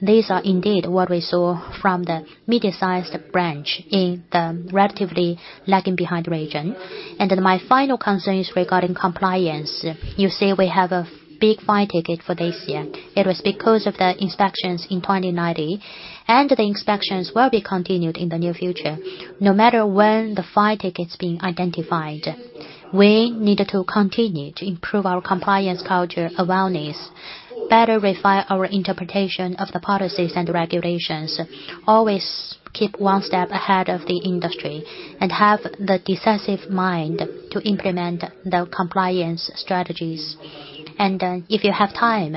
These are indeed what we saw from the mid-sized branch in the relatively lagging behind region. And then my final concern is regarding compliance. You see, we have a big fine ticket for this year. It was because of the inspections in 2019, and the inspections will be continued in the near future. No matter when the fine ticket is being identified, we needed to continue to improve our compliance culture awareness, better refine our interpretation of the policies and regulations, always keep one step ahead of the industry, and have the decisive mind to implement the compliance strategies. And, if you have time,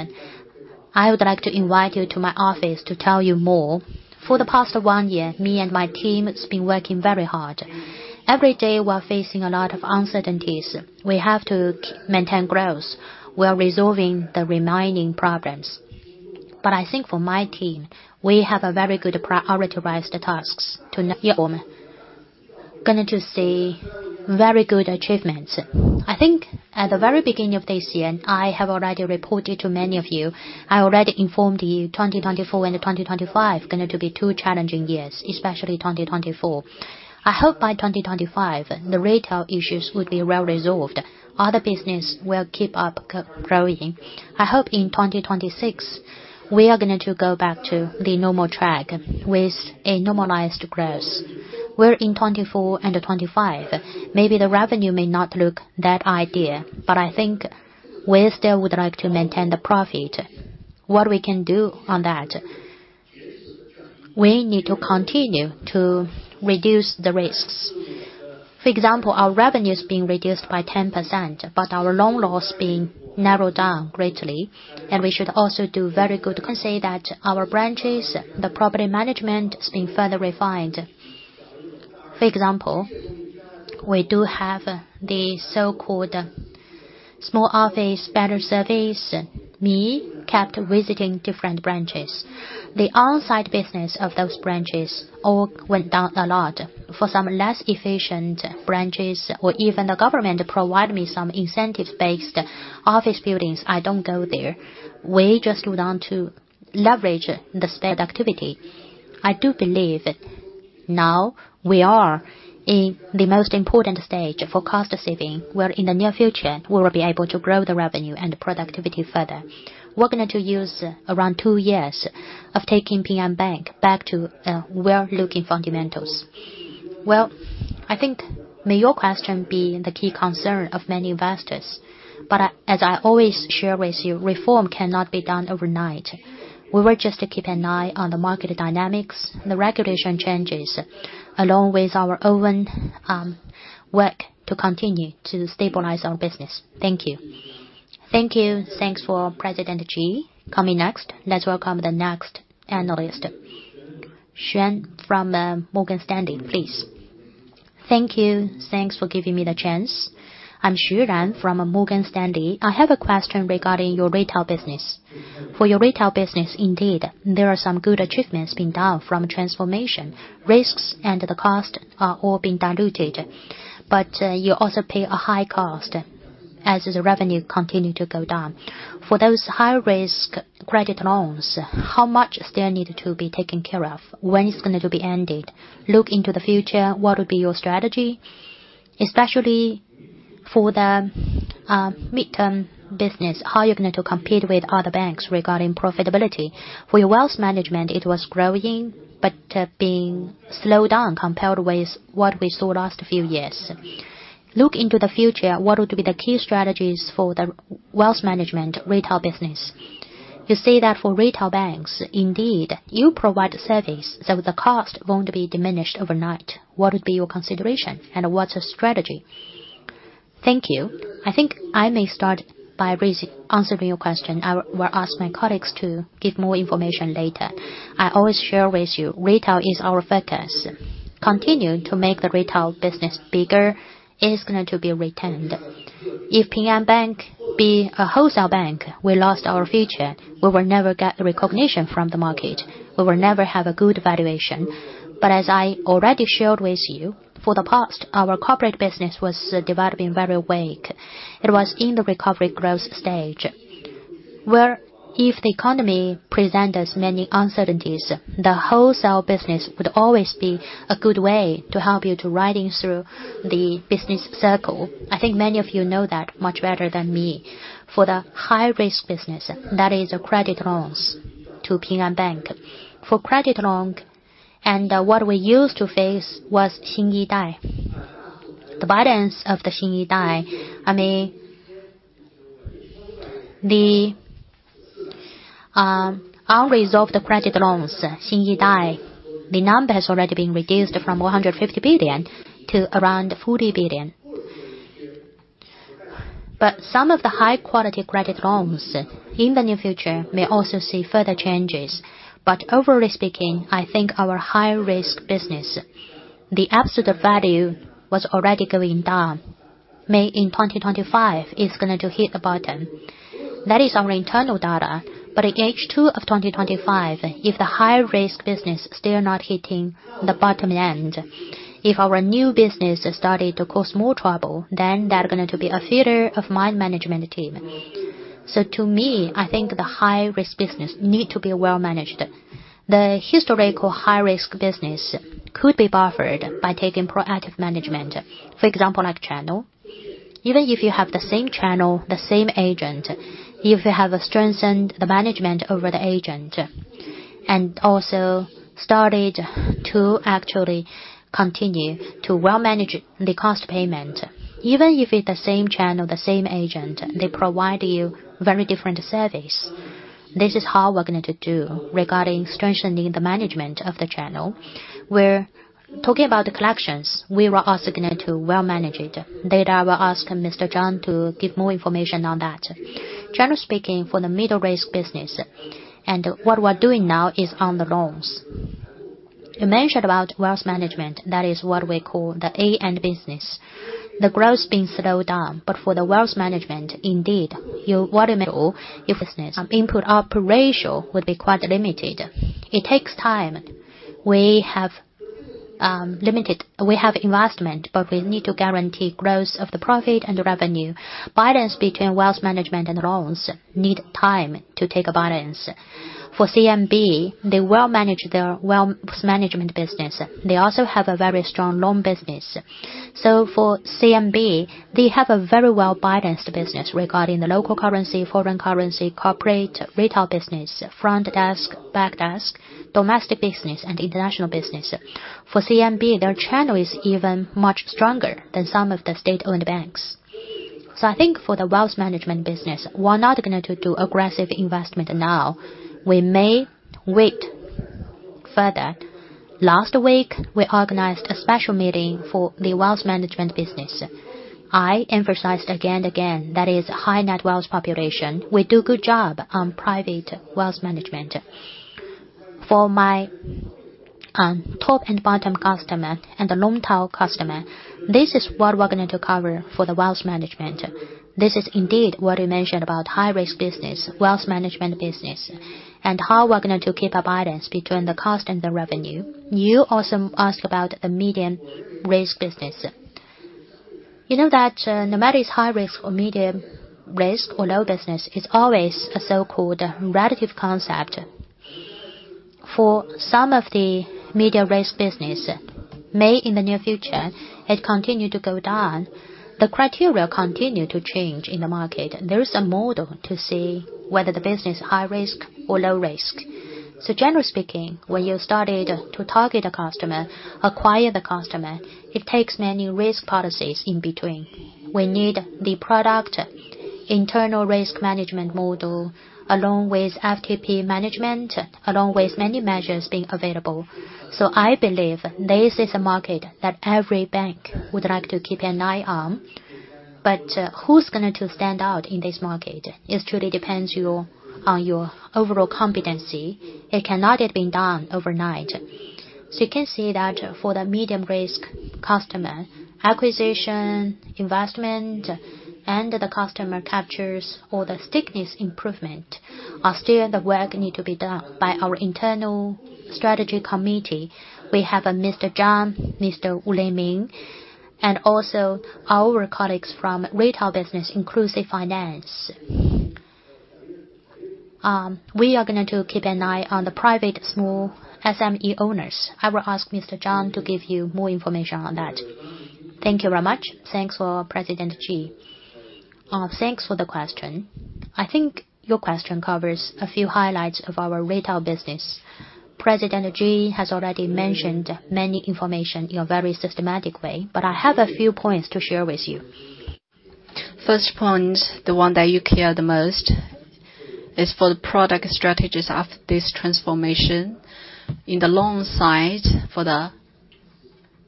I would like to invite you to my office to tell you more. For the past one year, me and my team has been working very hard. Every day, we're facing a lot of uncertainties. We have to maintain growth while resolving the remaining problems. But I think for my team, we have a very good prioritized tasks, going to say, very good achievements. I think at the very beginning of this year, I have already reported to many of you, I already informed you 2024 and 2025 going to be two challenging years, especially 2024. I hope by 2025, the retail issues would be well resolved. Other business will keep up growing. I hope in 2026, we are going to go back to the normal track with a normalized growth. Where in 2024 and 2025, maybe the revenue may not look that ideal, but I think we still would like to maintain the profit. What we can do on that? We need to continue to reduce the risks. For example, our revenue is being reduced by 10%, but our loan loss being narrowed down greatly, and we should also do very good... Say that our branches, the property management is being further refined. For example, we do have the so-called small office, better service. Me, kept visiting different branches. The on-site business of those branches all went down a lot. For some less efficient branches or even the government provide me some incentives-based office buildings, I don't go there. We just want to leverage the spent activity. I do believe that now we are in the most important stage for cost saving, where in the near future, we will be able to grow the revenue and productivity further. We're going to use around two years of taking Ping An Bank back to, well-looking fundamentals. Well, I think maybe your question be the key concern of many investors, but as I always share with you, reform cannot be done overnight. We will just keep an eye on the market dynamics, the regulation changes, along with our own, work to continue to stabilize our business. Thank you. Thank you. Thanks for President Ji. Coming next, let's welcome the next analyst. Xuan from, Morgan Stanley, please. Thank you. Thanks for giving me the chance. I'm Xuan from Morgan Stanley. I have a question regarding your retail business. For your retail business, indeed, there are some good achievements being done from transformation. Risks and the cost are all being diluted, but, you also pay a high cost as the revenue continue to go down. For those high-risk credit loans, how much still needed to be taken care of? When it's going to be ended? Look into the future, what would be your strategy? Especially for the mid-term business, how are you going to compete with other banks regarding profitability? For your wealth management, it was growing, but being slowed down compared with what we saw last few years. Look into the future, what would be the key strategies for the wealth management retail business? You say that for retail banks, indeed, you provide a service, so the cost won't be diminished overnight. What would be your consideration, and what's the strategy? Thank you. I think I may start by basically answering your question. I will ask my colleagues to give more information later. I always share with you, retail is our focus. Continue to make the retail business bigger is going to be retained. If Ping An Bank be a wholesale bank, we lost our future, we will never get the recognition from the market. We will never have a good valuation. But as I already shared with you, for the past, our corporate business was developing very weak. It was in the recovery growth stage, where if the economy present us many uncertainties, the wholesale business would always be a good way to help you to riding through the business circle. I think many of you know that much better than me. For the high-risk business, that is credit loans to Ping An Bank. For credit loan, and, what we used to face was Xin Yi Dai. The balance of the Xin Yi Dai, I mean, the, unresolved credit loans, Xin Yi Dai, the number has already been reduced from 150 billion to around 40 billion. But some of the high-quality credit loans in the near future may also see further changes. But overall speaking, I think our high-risk business, the absolute value was already going down. May in 2025, is going to hit the bottom. That is our internal data. But in H2 of 2025, if the high-risk business still not hitting the bottom end, if our new business started to cause more trouble, then there are going to be a failure of my management team.... So to me, I think the high-risk business need to be well managed. The historical high-risk business could be buffered by taking proactive management. For example, like channel. Even if you have the same channel, the same agent, if you have strengthened the management over the agent, and also started to actually continue to well manage the cost payment, even if it's the same channel, the same agent, they provide you very different service. This is how we're going to do regarding strengthening the management of the channel. We're talking about the collections, we are also going to well manage it. Later, I will ask Mr. Zhang to give more information on that. Generally speaking, for the middle-risk business, and what we're doing now is on the loans. You mentioned about wealth management, that is what we call the AUM business. The growth's been slowed down, but for the wealth management, indeed, yield of middle business, input-output ratio would be quite limited. It takes time. We have, limited... We have investment, but we need to guarantee growth of the profit and revenue. Balance between wealth management and loans need time to take a balance. For CMB, they well manage their wealth management business. They also have a very strong loan business. So for CMB, they have a very well-balanced business regarding the local currency, foreign currency, corporate, retail business, front desk, back desk, domestic business, and international business. For CMB, their channel is even much stronger than some of the state-owned banks. So I think for the wealth management business, we're not going to do aggressive investment now. We may wait further. Last week, we organized a special meeting for the wealth management business. I emphasized again and again, that is high net worth population. We do good job on private wealth management. For my, top and bottom customer and the long-tail customer, this is what we're going to cover for the wealth management. This is indeed what you mentioned about high-risk business, wealth management business, and how we're going to keep a balance between the cost and the revenue. You also asked about the medium-risk business. You know that, no matter it's high risk or medium risk or low business, it's always a so-called relative concept. For some of the medium-risk business, may in the near future, it continue to go down. The criteria continue to change in the market, and there is a model to see whether the business is high risk or low risk. So generally speaking, when you started to target a customer, acquire the customer, it takes many risk policies in between. We need the product, internal risk management model, along with FTP management, along with many measures being available. So I believe this is a market that every bank would like to keep an eye on, but, who's going to stand out in this market? It truly depends on your overall competency. It cannot have been done overnight. So you can see that for the medium-risk customer, acquisition, investment, and the customer captures or the stickiness improvement are still the work need to be done by our internal strategy committee. We have a Mr. Zhang Zhaohui, Mr. Wu Leiming, and also our colleagues from retail business, inclusive finance. We are going to keep an eye on the private small SME owners. I will ask Mr. Zhang Zhaohui to give you more information on that. Thank you very much. Thanks for President Ji. Thanks for the question. I think your question covers a few highlights of our retail business. President Ji has already mentioned many information in a very systematic way, but I have a few points to share with you. First point, the one that you care the most, is for the product strategies of this transformation. In the long side, for the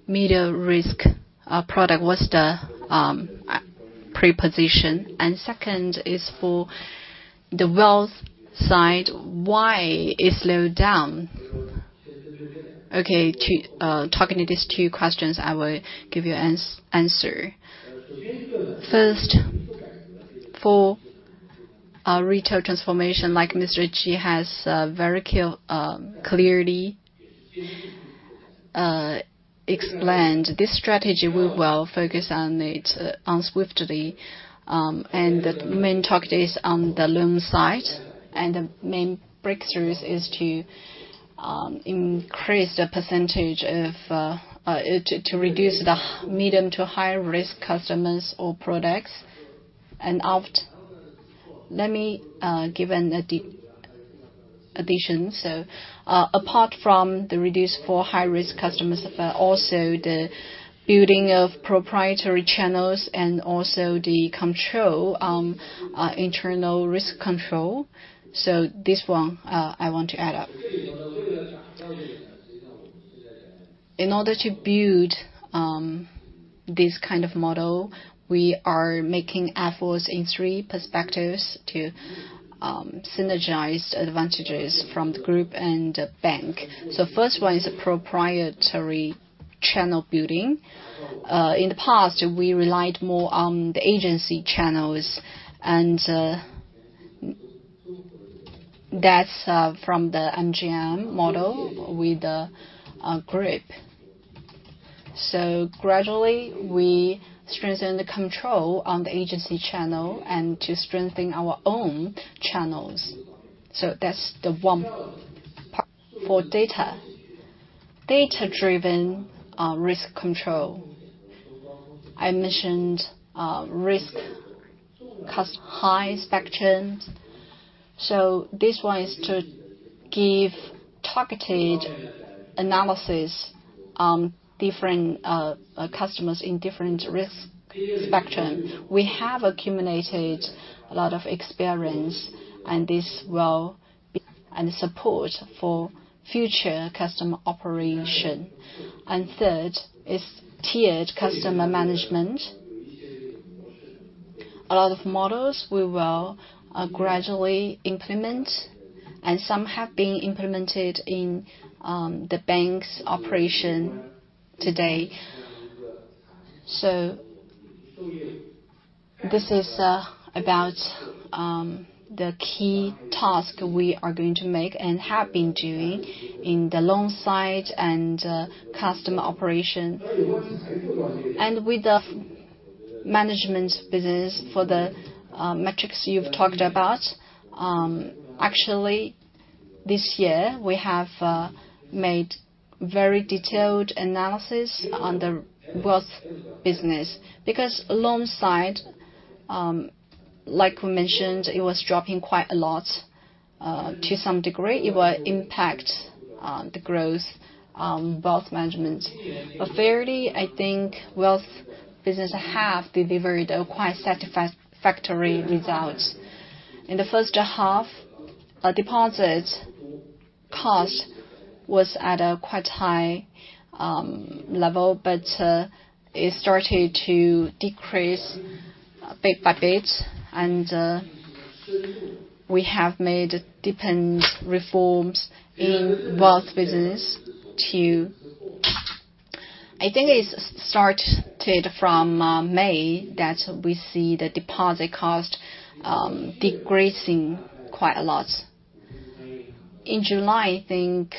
medium risk, product, what's the pre-position? And second is for the wealth side, why it slowed down? Okay, two, talking to these two questions, I will give you answer. First, for our retail transformation, like Mr. Ji has very clear, clearly explained, this strategy, we will focus on it unswiftly. And the main target is on the loan side, and the main breakthroughs is to increase the percentage of... To reduce the medium- to high-risk customers or products. And after, let me give an addition. So, apart from the reduced for high-risk customers, but also the building of proprietary channels and also the control, internal risk control. So this one, I want to add up. In order to build this kind of model, we are making efforts in three perspectives to synergize advantages from the group and the bank. So first one is the proprietary channel building. In the past, we relied more on the agency channels, and that's from the MGM model with the group. So gradually, we strengthen the control on the agency channel and to strengthen our own channels. So that's the one part. For data, data-driven risk control. I mentioned risk cost high spectrum. So this one is to give targeted analysis on different customers in different risk spectrum. We have accumulated a lot of experience, and this will be and support for future customer operation. And third is tiered customer management. A lot of models we will gradually implement, and some have been implemented in the bank's operation today. So this is about the key task we are going to make and have been doing in the loan side and customer operation. And with the management business for the metrics you've talked about, actually, this year, we have made very detailed analysis on the wealth business. Because loan side, like we mentioned, it was dropping quite a lot. To some degree, it will impact the growth both management. But fairly, I think wealth business have delivered a quite satisfactory result. In the first half, our deposit cost was at a quite high level, but it started to decrease bit by bit, and we have made different reforms in wealth business to... I think it's started from May, that we see the deposit cost decreasing quite a lot. In July, I think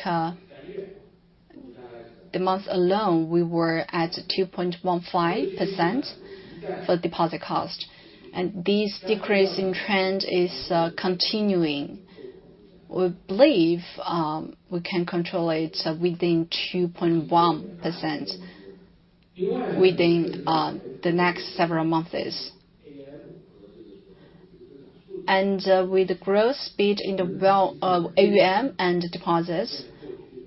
the month alone, we were at 2.15% for deposit cost, and this decreasing trend is continuing. We believe we can control it within 2.1% within the next several months. And with the growth speed in the wealth of AUM and deposits,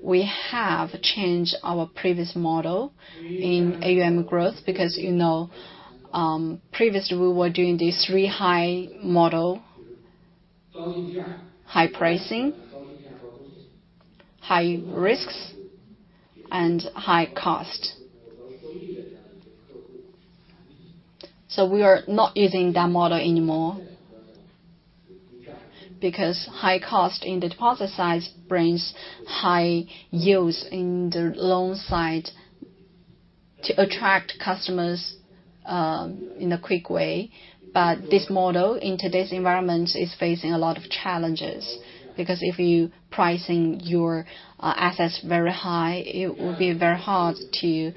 we have changed our previous model in AUM growth because, you know, previously, we were doing the three-high model: high pricing, high risks, and high cost. So we are not using that model anymore, because high cost in the deposit side brings high yields in the loan side to attract customers in a quick way. But this model, in today's environment, is facing a lot of challenges, because if you pricing your assets very high, it will be very hard to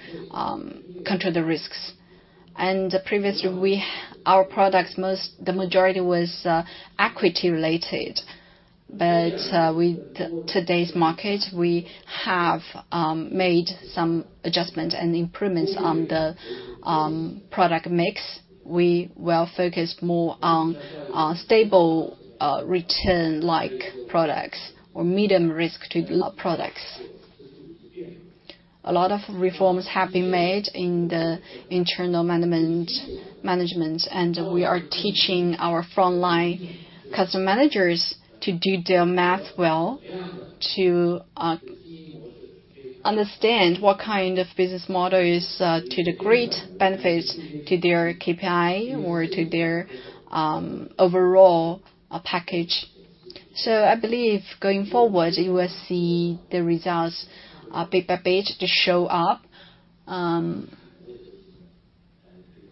control the risks. And previously, our products, most, the majority was equity related. But with today's market, we have made some adjustments and improvements on the product mix. We will focus more on stable return like products or medium risk to products. A lot of reforms have been made in the internal management, management, and we are teaching our frontline customer managers to do their math well, to understand what kind of business model is to the great benefits to their KPI or to their overall package. So I believe going forward, you will see the results bit by bit to show up.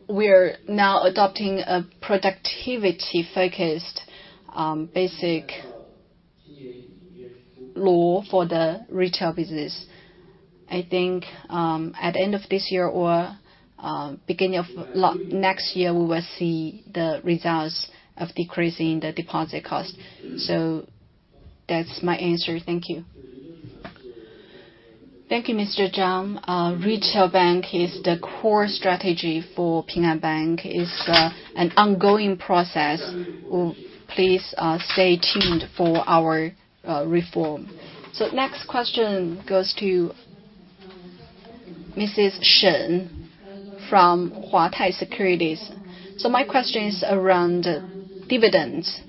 We are now adopting a productivity-focused basic law for the retail business. I think at the end of this year or beginning of next year, we will see the results of decreasing the deposit cost. So that's my answer. Thank you. Thank you, Mr. Zhang. Retail bank is the core strategy for Ping An Bank. It's an ongoing process. Please stay tuned for our reform. So next question goes to Mrs. Shen from Huatai Securities. My question is around dividends.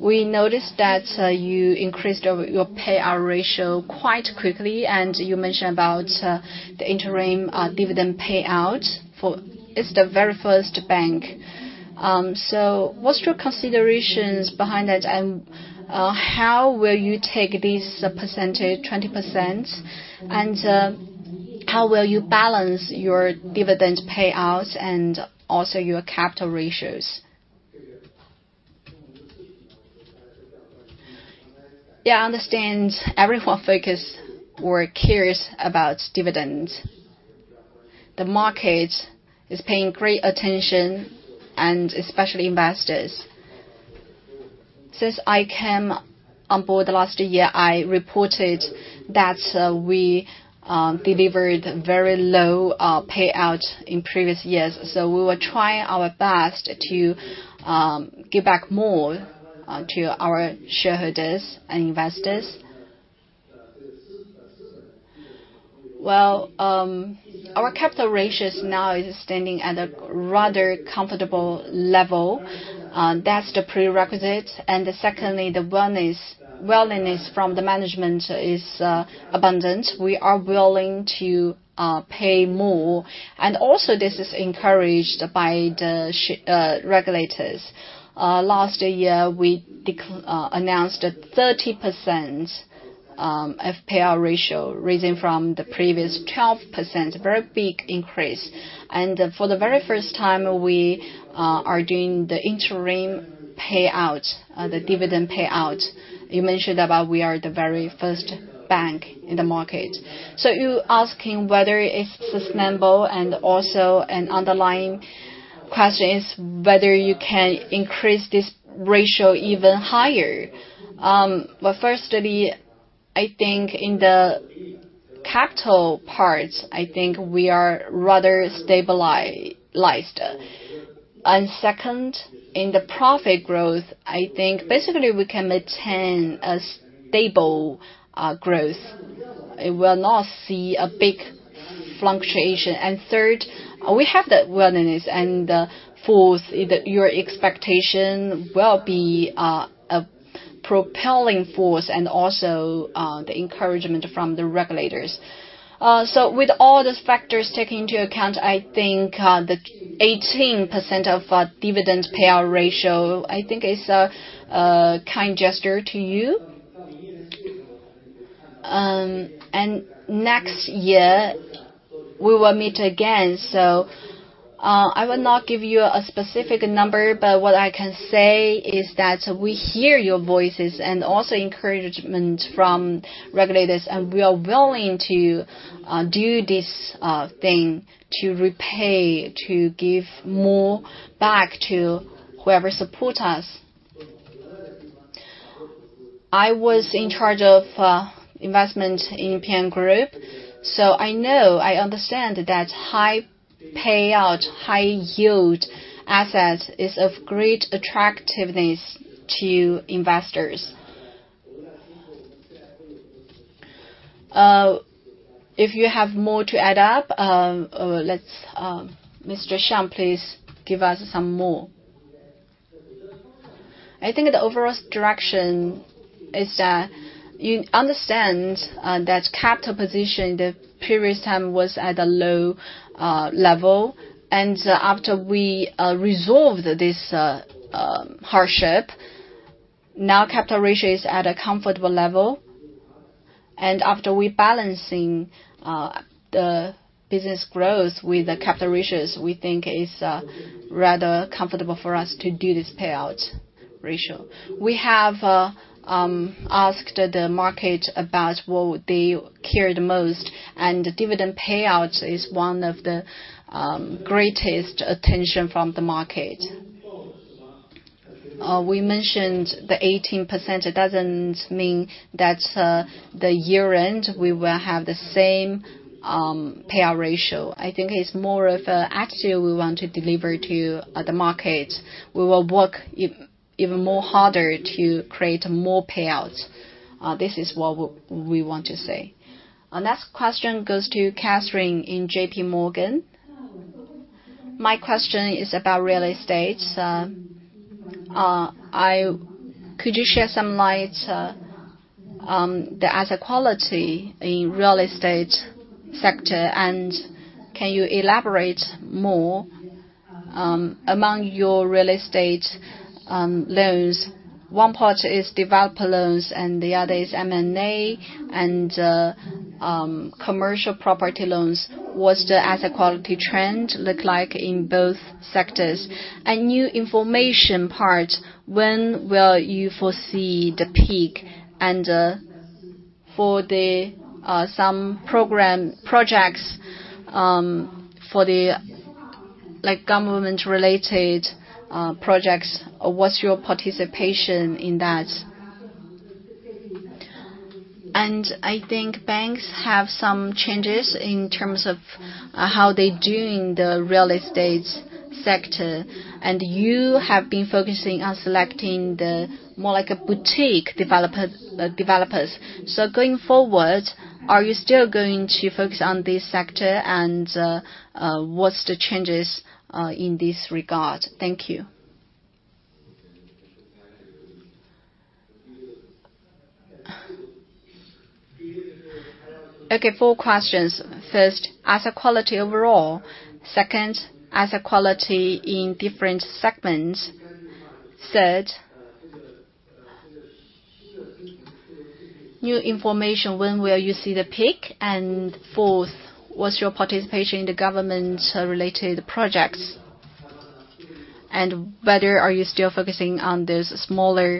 We noticed that you increased your payout ratio quite quickly, and you mentioned about the interim dividend payout for... It's the very first bank. So what's your considerations behind that, and how will you take this percentage, 20%? And how will you balance your dividend payouts and also your capital ratios? Yeah, I understand everyone focus or curious about dividends. The market is paying great attention and especially investors. Since I came on board the last year, I reported that we delivered very low payout in previous years, so we will try our best to give back more to our shareholders and investors. Well, our capital ratios now is standing at a rather comfortable level, that's the prerequisite. And secondly, the willingness from the management is abundant. We are willing to pay more, and also this is encouraged by the regulators. Last year, we announced a 30% payout ratio, raising from the previous 12%, very big increase. For the very first time, we are doing the interim payout, the dividend payout. You mentioned about we are the very first bank in the market. So you're asking whether it's sustainable and also an underlying question is whether you can increase this ratio even higher? Firstly, I think in the capital parts, I think we are rather stabilized. Second, in the profit growth, I think basically we can maintain a stable growth. It will not see a big fluctuation. And third, we have the willingness, and fourth, is that your expectation will be a propelling force and also the encouragement from the regulators. So with all these factors taken into account, I think the 18% of dividend payout ratio, I think, is a kind gesture to you. And next year, we will meet again, so I will not give you a specific number, but what I can say is that we hear your voices and also encouragement from regulators, and we are willing to do this thing to repay, to give more back to whoever support us. I was in charge of investment in Ping An Group, so I know, I understand that high payout, high yield assets is of great attractiveness to investors. If you have more to add up, let's Mr. Xiang, please give us some more. I think the overall direction is that you understand that capital position in the previous time was at a low level, and after we resolved this hardship, now capital ratio is at a comfortable level. After rebalancing the business growth with the capital ratios, we think is rather comfortable for us to do this payout ratio. We have asked the market about what would they care the most, and dividend payouts is one of the greatest attention from the market. We mentioned the 18%, it doesn't mean that the year-end, we will have the same payout ratio. I think it's more of a attitude we want to deliver to the market. We will work even more harder to create more payouts. This is what we want to say. Our next question goes to Katherine at J.P. Morgan. My question is about real estate. Could you shed some light, the asset quality in real estate sector, and can you elaborate more, among your real estate, loans? One part is developer loans, and the other is M&A, and, commercial property loans. What's the asset quality trend look like in both sectors? And new information part, when will you foresee the peak? And, for the, some program, projects, for the, like, government-related, projects, what's your participation in that? And I think banks have some changes in terms of, how they're doing the real estate sector, and you have been focusing on selecting the more like a boutique developer, developers. So going forward, are you still going to focus on this sector, and, what's the changes, in this regard? Thank you. Okay, 4 questions. First, asset quality overall. Second, asset quality in different segments. Third, new information, when will you see the peak? And fourth, what's your participation in the government-related projects?... and whether are you still focusing on those smaller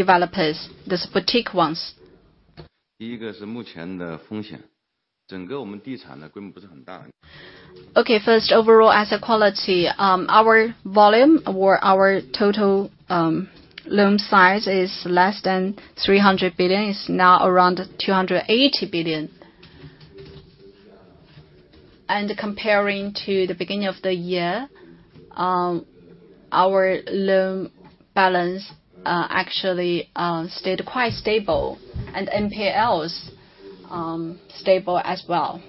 developers, those boutique ones? Okay. First, overall asset quality. Our volume or our total, loan size is less than 300 billion. It's now around 280 billion. And comparing to the beginning of the year, our loan balance, actually, stayed quite stable, and NPLs, stable as well.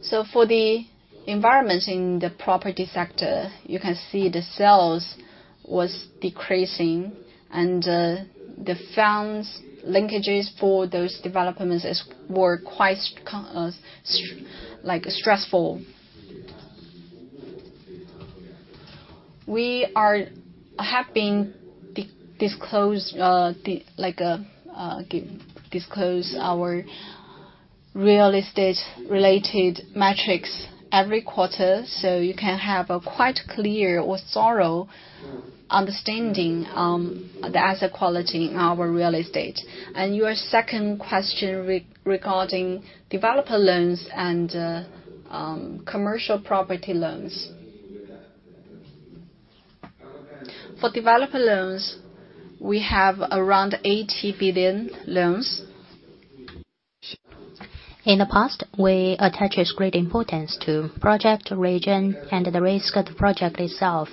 So for the environment in the property sector, you can see the sales was decreasing and, the firms' linkages for those developments is were quite, like stressful. We have been disclosing our real estate related metrics every quarter, so you can have a quite clear or thorough understanding, the asset quality in our real estate. And your second question regarding developer loans and, commercial property loans. For developer loans, we have around 80 billion loans. In the past, we attached great importance to project region and the risk of the project itself,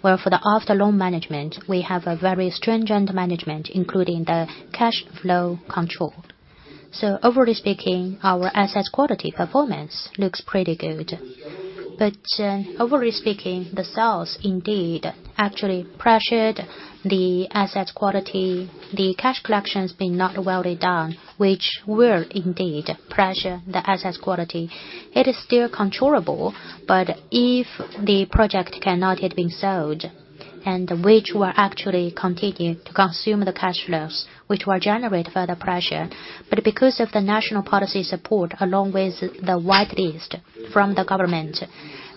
where for the after-loan management, we have a very stringent management, including the cash flow control. So overall speaking, our asset quality performance looks pretty good. But, overall speaking, the sales indeed actually pressured the asset quality. The cash collections being not well done, which will indeed pressure the asset quality. It is still controllable, but if the project cannot yet be sold, and which will actually continue to consume the cash flows, which will generate further pressure. But because of the national policy support, along with the White List from the government,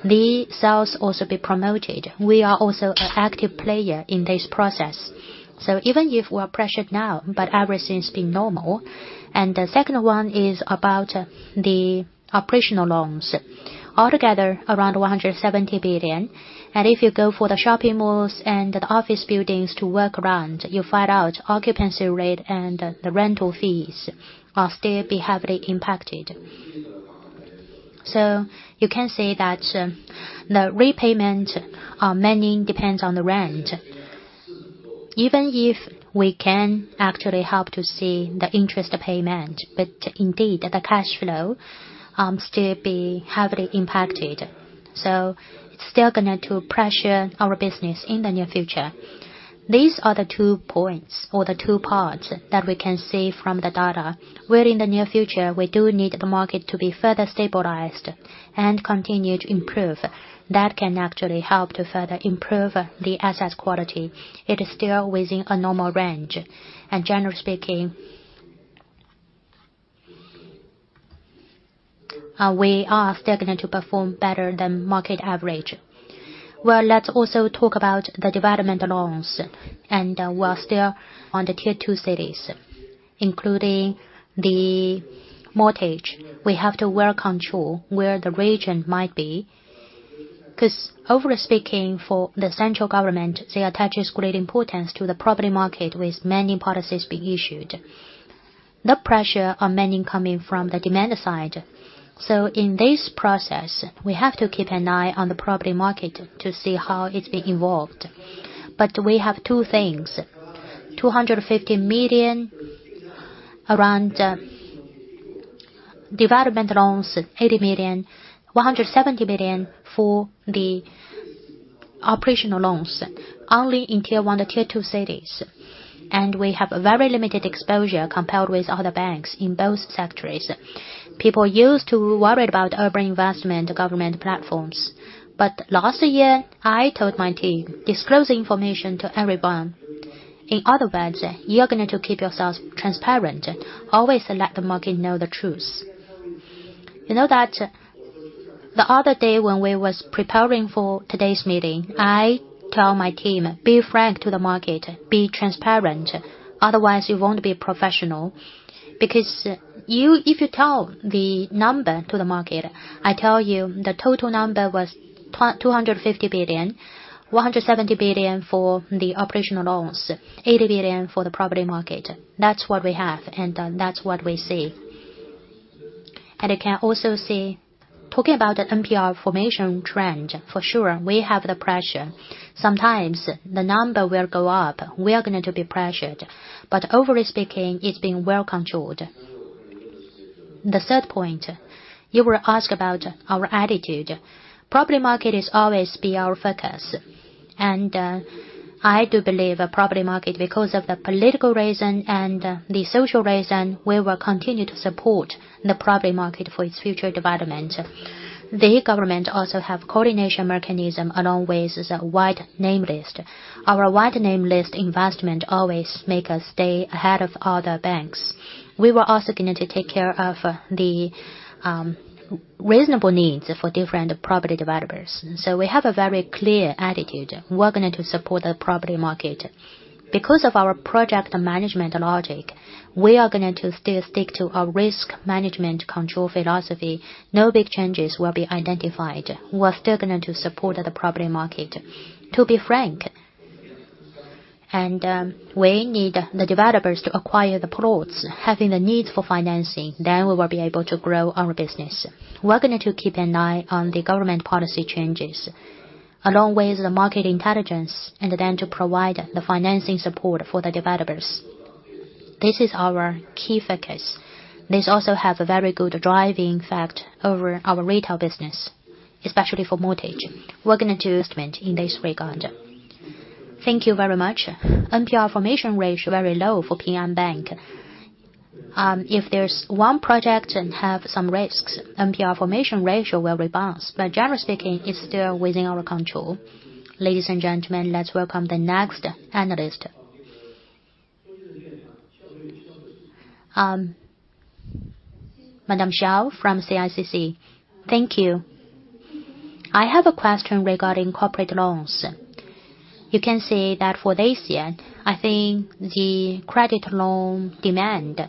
the sales also be promoted. We are also an active player in this process. So even if we are pressured now, but everything's been normal. And the second one is about the operational loans. Altogether, 170 billion. If you go for the shopping malls and the office buildings to work around, you'll find out occupancy rate and the rental fees are still be heavily impacted. You can say that, the repayment mainly depends on the rent. Even if we can actually help to see the interest payment, but indeed, the cash flow still be heavily impacted. It's still going to pressure our business in the near future. These are the two points or the two parts that we can see from the data, where in the near future, we do need the market to be further stabilized and continue to improve. That can actually help to further improve the assets quality. It is still within a normal range, and generally speaking, we are still going to perform better than market average. Well, let's also talk about the development loans, and we're still on the tier two cities, including the mortgage. We have to well control where the region might be, 'cause overly speaking, for the central government, they attaches great importance to the property market with many policies being issued. The pressure are mainly coming from the demand side. So in this process, we have to keep an eye on the property market to see how it's been evolved. But we have two things: 250 million around, development loans, 80 million, 170 billion for the operational loans, only in tier one or tier two cities. And we have a very limited exposure compared with other banks in both sectors. People used to worry about urban investment government platforms, but last year, I told my team, "Disclose the information to everyone." In other words, you are going to keep yourselves transparent. Always let the market know the truth. You know that the other day when we was preparing for today's meeting, I tell my team, "Be frank to the market. Be transparent. Otherwise, you won't be professional." Because you-- if you tell the number to the market, I tell you the total number was 250 billion, 170 billion for the operational loans, 80 billion for the property market. That's what we have, and that's what we see. And you can also see, talking about the NPL formation trend, for sure, we have the pressure. Sometimes the number will go up, we are going to be pressured, but overly speaking, it's been well controlled. The third point, you will ask about our attitude. Property market is always be our focus, and I do believe a property market, because of the political reason and the social reason, we will continue to support the property market for its future development. The government also have coordination mechanism along with the white list. Our white list investment always make us stay ahead of other banks. We were also going to take care of the reasonable needs for different property developers. So we have a very clear attitude. We're going to support the property market. Because of our project management logic, we are going to still stick to our risk management control philosophy. No big changes will be identified. We're still going to support the property market, to be frank. We need the developers to acquire the products, having the need for financing, then we will be able to grow our business. We're going to keep an eye on the government policy changes, along with the market intelligence, and then to provide the financing support for the developers. This is our key focus. This also has a very good driving effect over our retail business, especially for mortgage. We're going to investment in this regard. Thank you very much. NPL formation ratio, very low for Ping An Bank. If there's one project and have some risks, NPL formation ratio will rebalance, but generally speaking, it's still within our control. Ladies and gentlemen, let's welcome the next analyst. Madam Xiao from CICC. Thank you. I have a question regarding corporate loans. You can see that for this year, I think the credit loan demand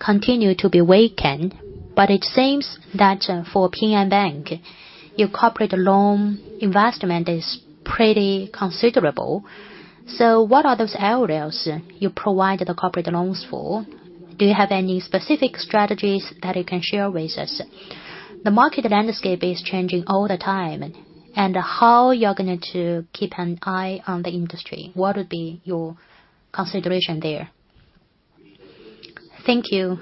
continued to be weakened, but it seems that for Ping An Bank, your corporate loan investment is pretty considerable. So what are those areas you provided the corporate loans for? Do you have any specific strategies that you can share with us? The market landscape is changing all the time, and how you're going to keep an eye on the industry? What would be your consideration there? Thank you.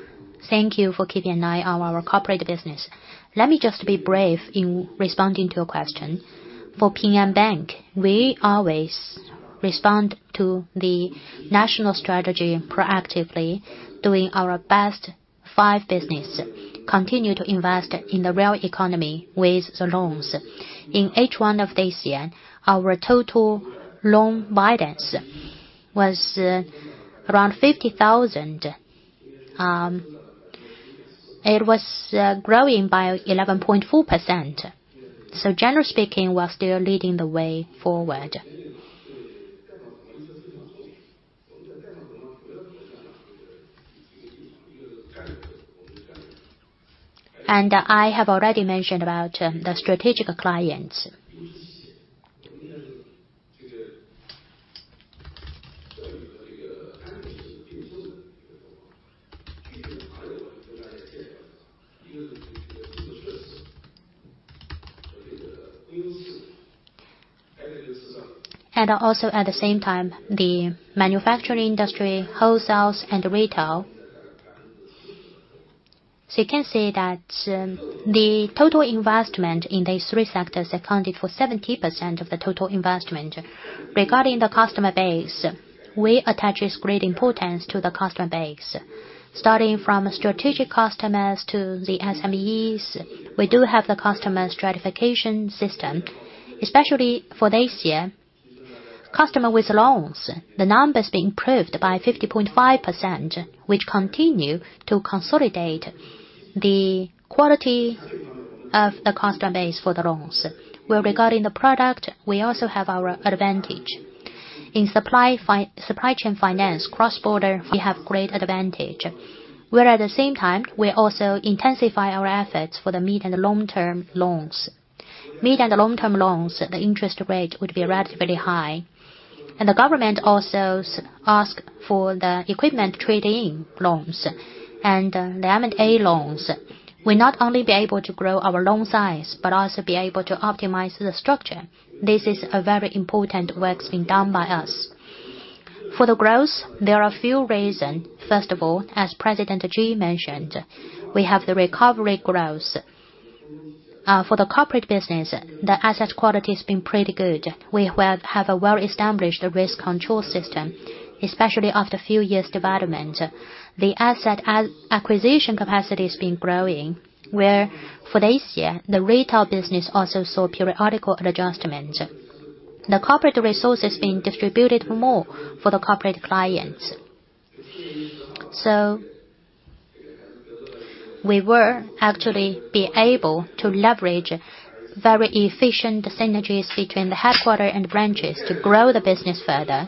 Thank you for keeping an eye on our corporate business. Let me just be brave in responding to your question. For Ping An Bank, we always respond to the national strategy proactively, doing our best five business, continue to invest in the real economy with the loans. In H1 of this year, our total loan balance was around RMB 50,000. It was growing by 11.4%. So generally speaking, we're still leading the way forward. And I have already mentioned about the strategic clients. And also, at the same time, the manufacturing industry, wholesale, and retail. So you can see that the total investment in these three sectors accounted for 70% of the total investment. Regarding the customer base, we attach this great importance to the customer base. Starting from strategic customers to the SMEs, we do have the customer stratification system, especially for this year. Customer with loans, the numbers being improved by 50.5%, which continue to consolidate the quality of the customer base for the loans. Well, regarding the product, we also have our advantage. In supply chain finance, cross-border, we have great advantage, where at the same time, we also intensify our efforts for the mid- and long-term loans. Mid- and long-term loans, the interest rate would be relatively high. And the government also ask for the equipment trade-in loans and the M&A loans. We not only be able to grow our loan size, but also be able to optimize the structure. This is a very important work being done by us. For the growth, there are a few reason. First of all, as President Ji mentioned, we have the recovery growth. For the corporate business, the asset quality has been pretty good. We have a well-established risk control system, especially after a few years' development. The asset acquisition capacity has been growing, where for this year, the retail business also saw periodical adjustment. The corporate resource is being distributed more for the corporate clients. So we will actually be able to leverage very efficient synergies between the headquarters and branches to grow the business further.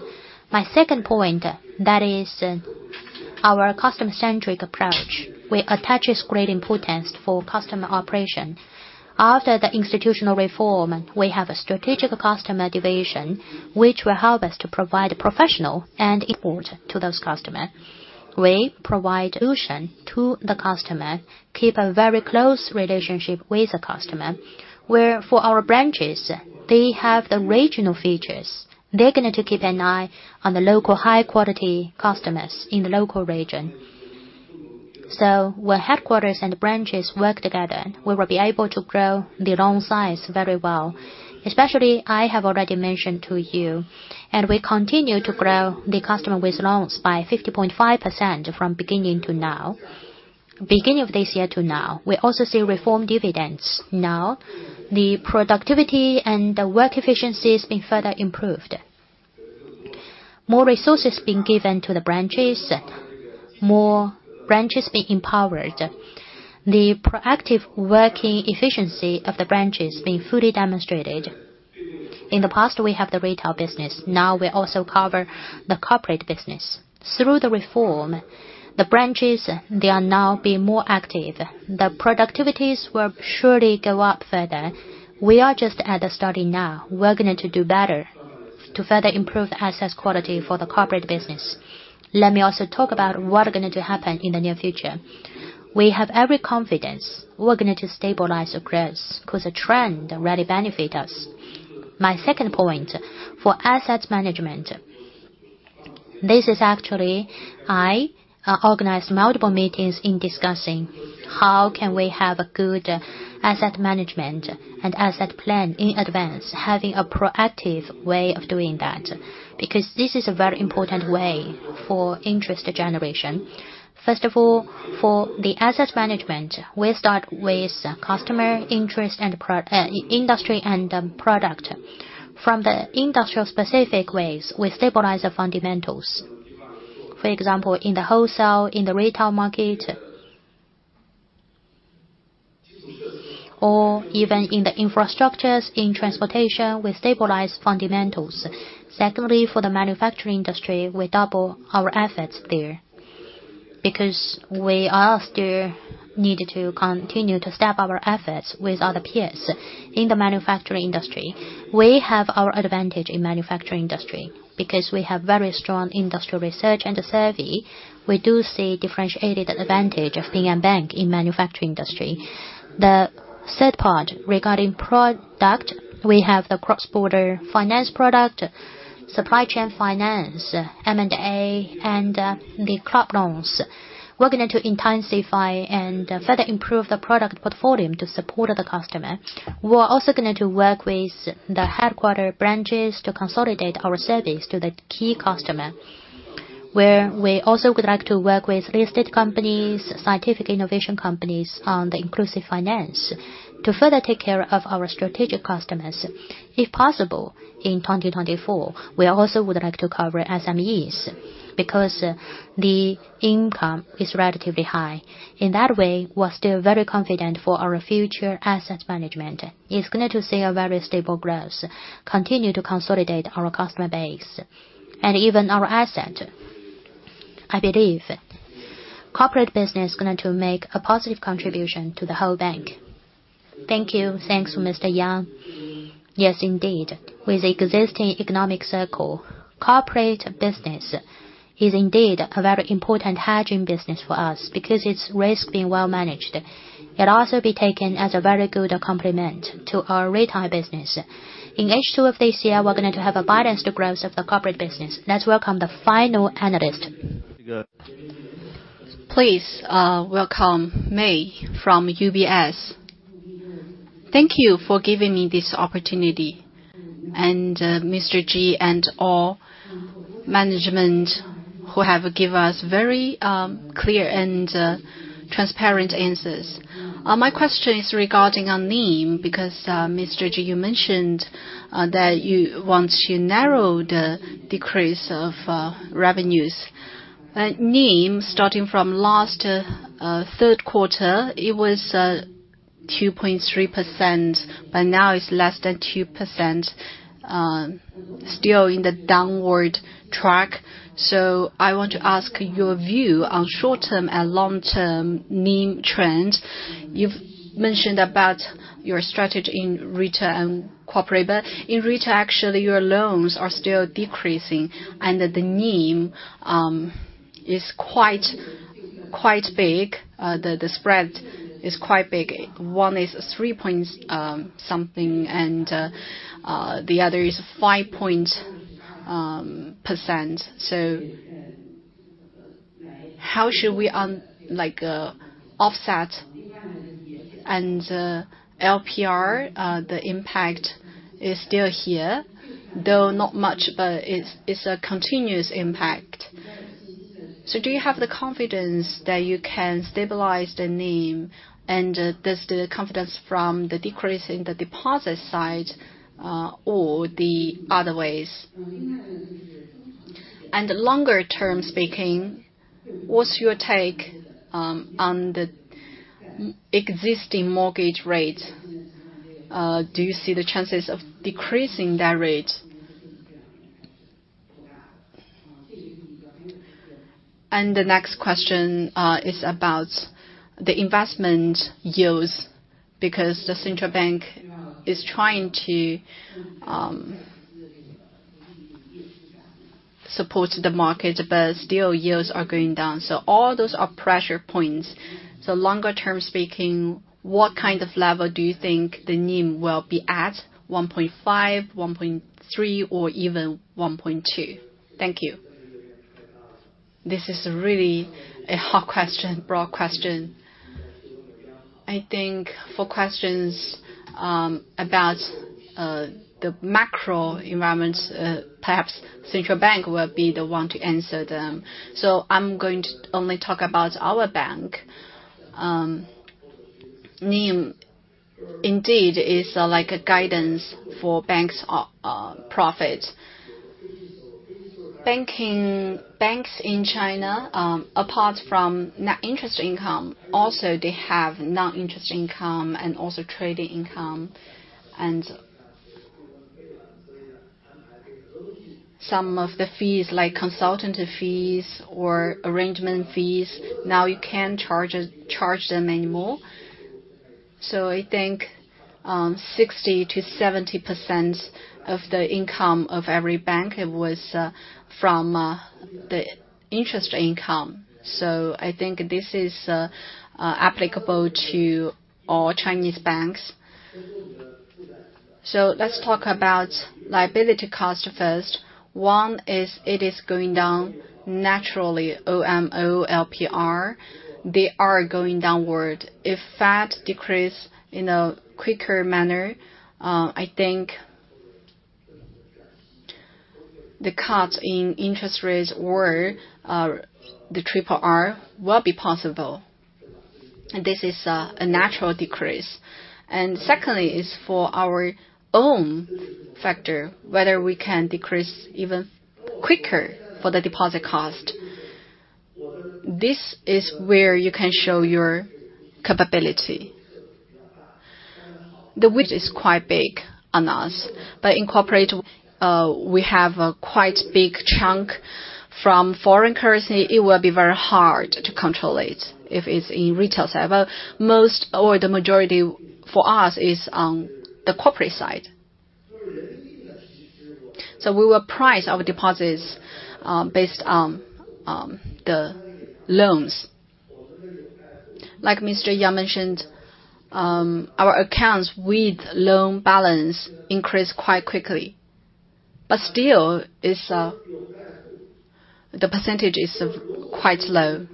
My second point, that is our customer-centric approach. We attach this great importance for customer operation. After the institutional reform, we have a strategic customer division, which will help us to provide professional and important to those customer. We provide solution to the customer, keep a very close relationship with the customer, where for our branches, they have the regional features. They're going to keep an eye on the local high-quality customers in the local region. So where headquarters and branches work together, we will be able to grow the loan size very well. Especially, I have already mentioned to you, and we continue to grow the customer with loans by 50.5% from beginning to now. Beginning of this year to now, we also see reform dividends. Now, the productivity and the work efficiency has been further improved. More resources being given to the branches, more branches being empowered. The proactive working efficiency of the branches being fully demonstrated. In the past, we have the retail business, now we also cover the corporate business. Through the reform, the branches, they are now being more active. The productivities will surely go up further. We are just at the starting now. We are going to do better to further improve the assets quality for the corporate business. Let me also talk about what are going to happen in the near future. We have every confidence we're going to stabilize the growth because the trend already benefit us. My second point, for asset management, this is actually, I organized multiple meetings in discussing how can we have a good asset management and asset plan in advance, having a proactive way of doing that, because this is a very important way for interest generation. First of all, for the asset management, we start with customer interest and pro- industry and, product. From the industrial specific ways, we stabilize the fundamentals. For example, in the wholesale, in the retail market, or even in the infrastructures, in transportation, we stabilize fundamentals. Secondly, for the manufacturing industry, we double our efforts there because we are still needed to continue to step up our efforts with other peers. In the manufacturing industry, we have our advantage in manufacturing industry because we have very strong industrial research and survey. We do see differentiated advantage of being a bank in manufacturing industry. The third part, regarding product, we have the cross-border finance product, supply chain finance, M&A, and the crop loans. We're going to intensify and further improve the product portfolio to support the customer. We're also going to work with the headquarter branches to consolidate our service to the key customer, where we also would like to work with real estate companies, scientific innovation companies on the inclusive finance to further take care of our strategic customers. If possible, in 2024, we also would like to cover SMEs, because the income is relatively high. In that way, we're still very confident for our future assets management. It's going to see a very stable growth, continue to consolidate our customer base and even our asset. I believe corporate business is going to make a positive contribution to the whole bank. Thank you. Thanks, Mr. Yang. Yes, indeed. With the existing economic circle, corporate business is indeed a very important hedging business for us because its risk being well managed. It'll also be taken as a very good accompaniment to our retail business. In H2 of this year, we're going to have a balanced growth of the corporate business. Let's welcome the final analyst. Please, welcome May from UBS. Thank you for giving me this opportunity, and, Mr. Ji and all management who have give us very, clear and, transparent answers. My question is regarding on NIM, because, Mr. Ji, you mentioned, that once you narrow the decrease of, revenues, NIM, starting from last, third quarter, it was 2.3%, but now it's less than 2%, still in the downward track. So I want to ask your view on short-term and long-term NIM trend. You've mentioned about your strategy in retail and corporate, but in retail, actually, your loans are still decreasing and that the NIM is quite, quite big. The spread is quite big. One is 3% point something, and, the other is 5% point. So how should we offset? And LPR, the impact is still here, though not much, but it's a continuous impact. So do you have the confidence that you can stabilize the NIM, and does the confidence from the decrease in the deposit side, or the other ways? And longer term speaking, what's your take on the existing mortgage rate? Do you see the chances of decreasing that rate? And the next question is about the investment yields, because the central bank is trying to support the market, but still yields are going down. So all those are pressure points. So longer term speaking, what kind of level do you think the NIM will be at, 1.5, 1.3, or even 1.2? Thank you. This is really a hard question, broad question. I think for questions about the macro environments, perhaps central bank will be the one to answer them. So I'm going to only talk about our bank.... NIM indeed is like a guidance for banks', profit. Banking, banks in China, apart from net interest income, also they have non-interest income and also trading income, and some of the fees, like consultative fees or arrangement fees, now you can't charge them anymore. So I think, 60%-70% of the income of every bank, it was, from, the interest income. So I think this is applicable to all Chinese banks. So let's talk about liability cost first. One is, it is going down naturally, OMO, LPR, they are going downward. If Fed decrease in a quicker manner, I think the cuts in interest rates or, the RRR will be possible, and this is, a natural decrease. And secondly is for our own factor, whether we can decrease even quicker for the deposit cost. This is where you can show your capability. The width is quite big on us, but in corporate, we have a quite big chunk from foreign currency. It will be very hard to control it if it's in retail side, but most or the majority for us is on the corporate side. So we will price our deposits, based on, the loans. Like Mr. Yang mentioned, our accounts with loan balance increase quite quickly, but still, it's, the percentage is quite low.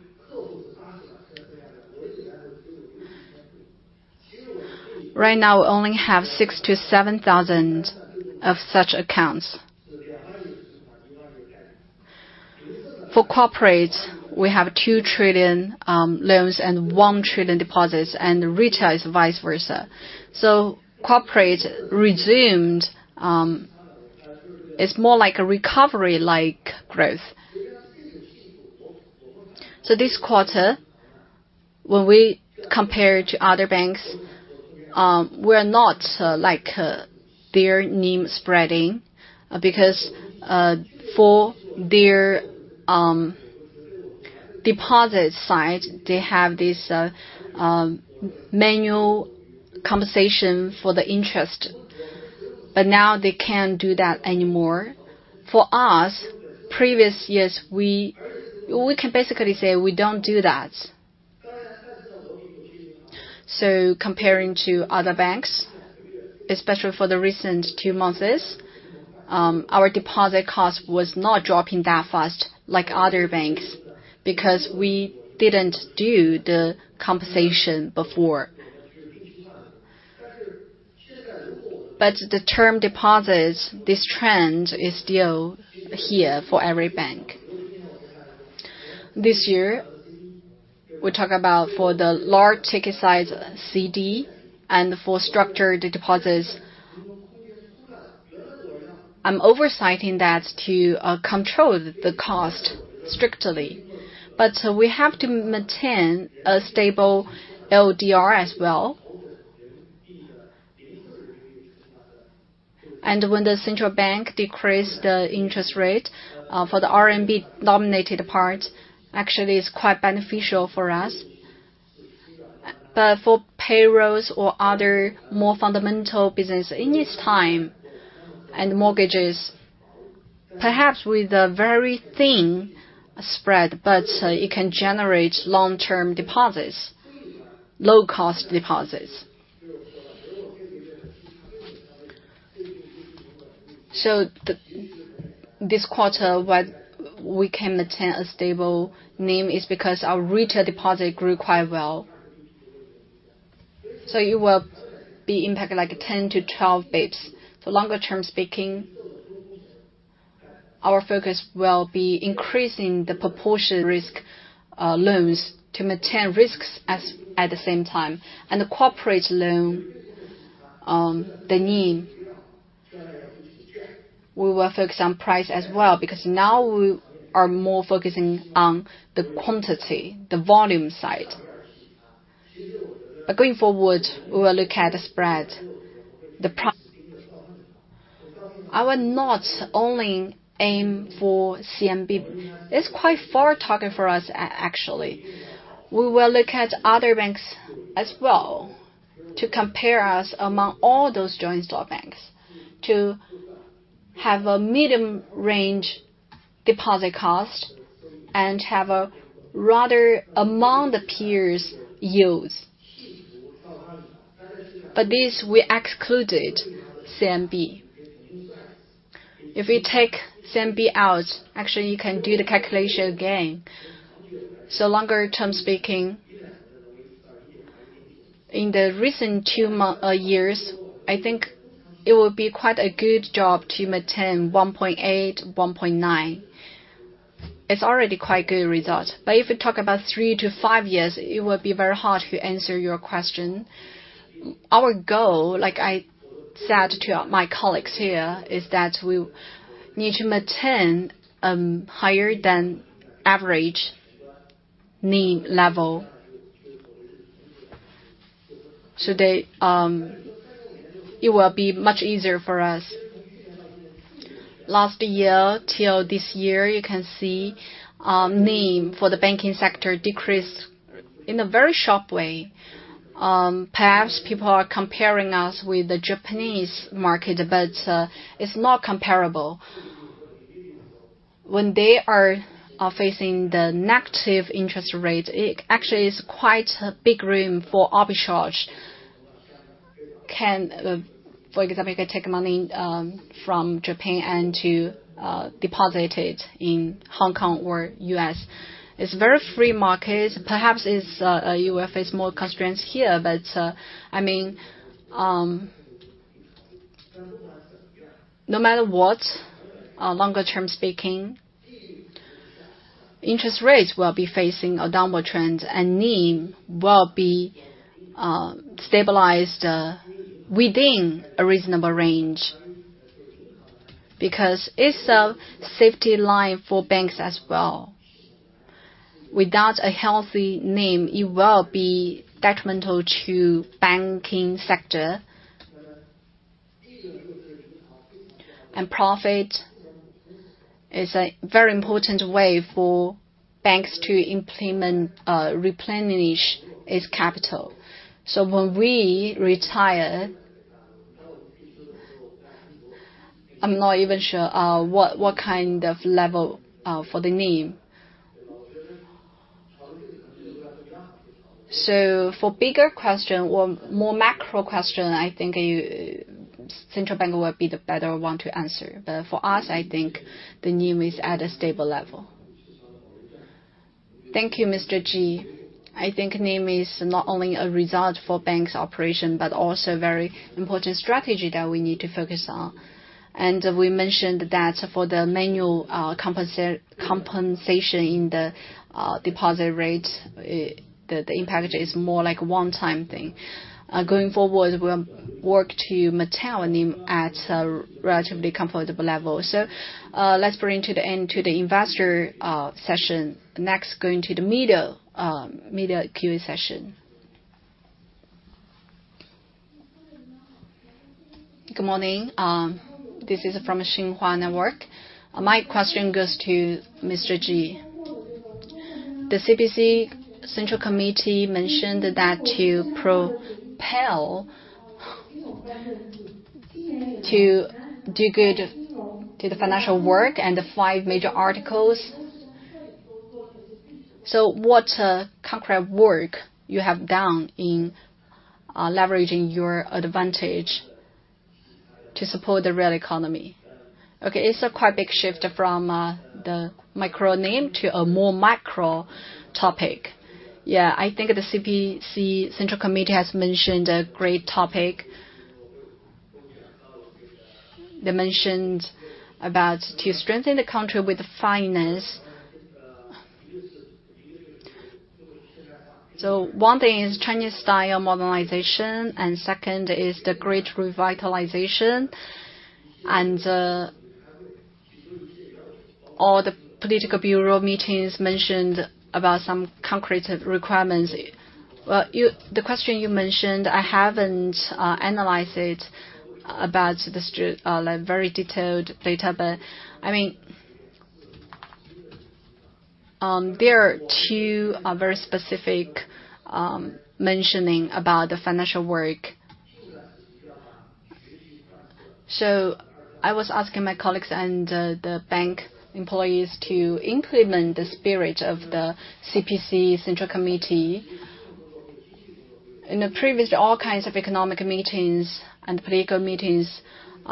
Right now, we only have 6,000-7,000 of such accounts. For corporates, we have 2 trillion loans and 1 trillion deposits, and retail is vice versa. So corporate resumed, it's more like a recovery-like growth. So this quarter, when we compare to other banks, we're not, like, their NIM spreading, because, for their, deposit side, they have this, manual compensation for the interest, but now they can't do that anymore. For us, previous years, we, we can basically say we don't do that. So comparing to other banks, especially for the recent two months, our deposit cost was not dropping that fast like other banks, because we didn't do the compensation before. But the term deposits, this trend is still here for every bank. This year, we talk about for the large ticket size CD and for structured deposits. I'm overseeing that to, control the cost strictly, but we have to maintain a stable LDR as well. And when the central bank decreased the interest rate for the RMB-denominated part, actually, it's quite beneficial for us. But for payrolls or other more fundamental business, it needs time, and mortgages, perhaps with a very thin spread, but it can generate long-term deposits, low-cost deposits. So this quarter, what we can maintain a stable NIM is because our retail deposit grew quite well. So you will be impacted like 10-12 basis point. So longer term speaking, our focus will be increasing the proportion risk loans to maintain risks at the same time. And the corporate loan, the NIM, we will focus on price as well, because now we are more focusing on the quantity, the volume side. But going forward, we will look at the spread. I will not only aim for CMB. It's quite far target for us, actually. We will look at other banks as well to compare us among all those joint stock banks, to have a medium-range deposit cost and have a rather among the peers yields. But this, we excluded CMB. If we take CMB out, actually, you can do the calculation again. So longer term speaking, in the recent 2 years, I think it would be quite a good job to maintain 1.8, 1.9.... It's already quite good result. But if you talk about 3-5 years, it will be very hard to answer your question. Our goal, like I said to my colleagues here, is that we need to maintain higher than average NIM level. Today, it will be much easier for us. Last year till this year, you can see, NIM for the banking sector decreased in a very sharp way. Perhaps people are comparing us with the Japanese market, but, it's not comparable. When they are facing the negative interest rate, it actually is quite a big room for arbitrage. For example, they take money from Japan and to deposit it in Hong Kong or U.S. It's a very free market. Perhaps it's U.S. face more constraints here, but, I mean, no matter what, longer term speaking, interest rates will be facing a downward trend, and NIM will be stabilized within a reasonable range. Because it's a safety line for banks as well. Without a healthy NIM, it will be detrimental to banking sector. Profit is a very important way for banks to implement, replenish its capital. So when we retire, I'm not even sure, what kind of level, for the NIM. So for bigger question or more macro question, I think a central bank will be the better one to answer. But for us, I think the NIM is at a stable level. Thank you, Mr. Ji. I think NIM is not only a result for banks' operation, but also a very important strategy that we need to focus on. And we mentioned that for the manual, compensation in the, deposit rate, the impact is more like a one-time thing. Going forward, we'll work to maintain NIM at a relatively comfortable level. So, let's bring to the end to the investor, session. Next, going to the media, media QA session. Good morning. This is from Xinhua Network. My question goes to Mr. Ji. The CPC Central Committee mentioned that to propel, to do good to the financial work and the five major articles. So what, concrete work you have done in, leveraging your advantage to support the real economy? Okay, it's a quite big shift from, the micro NIM to a more macro topic. Yeah, I think the CPC Central Committee has mentioned a great topic. They mentioned about to strengthen the country with finance. So one thing is Chinese-style modernization, and second is the great revitalization. And, all the political bureau meetings mentioned about some concrete requirements. Well, the question you mentioned, I haven't analyzed it about, like, very detailed data. But I mean, there are two very specific mentioning about the financial work. So I was asking my colleagues and the bank employees to implement the spirit of the CPC Central Committee. In the previous, all kinds of economic meetings and political meetings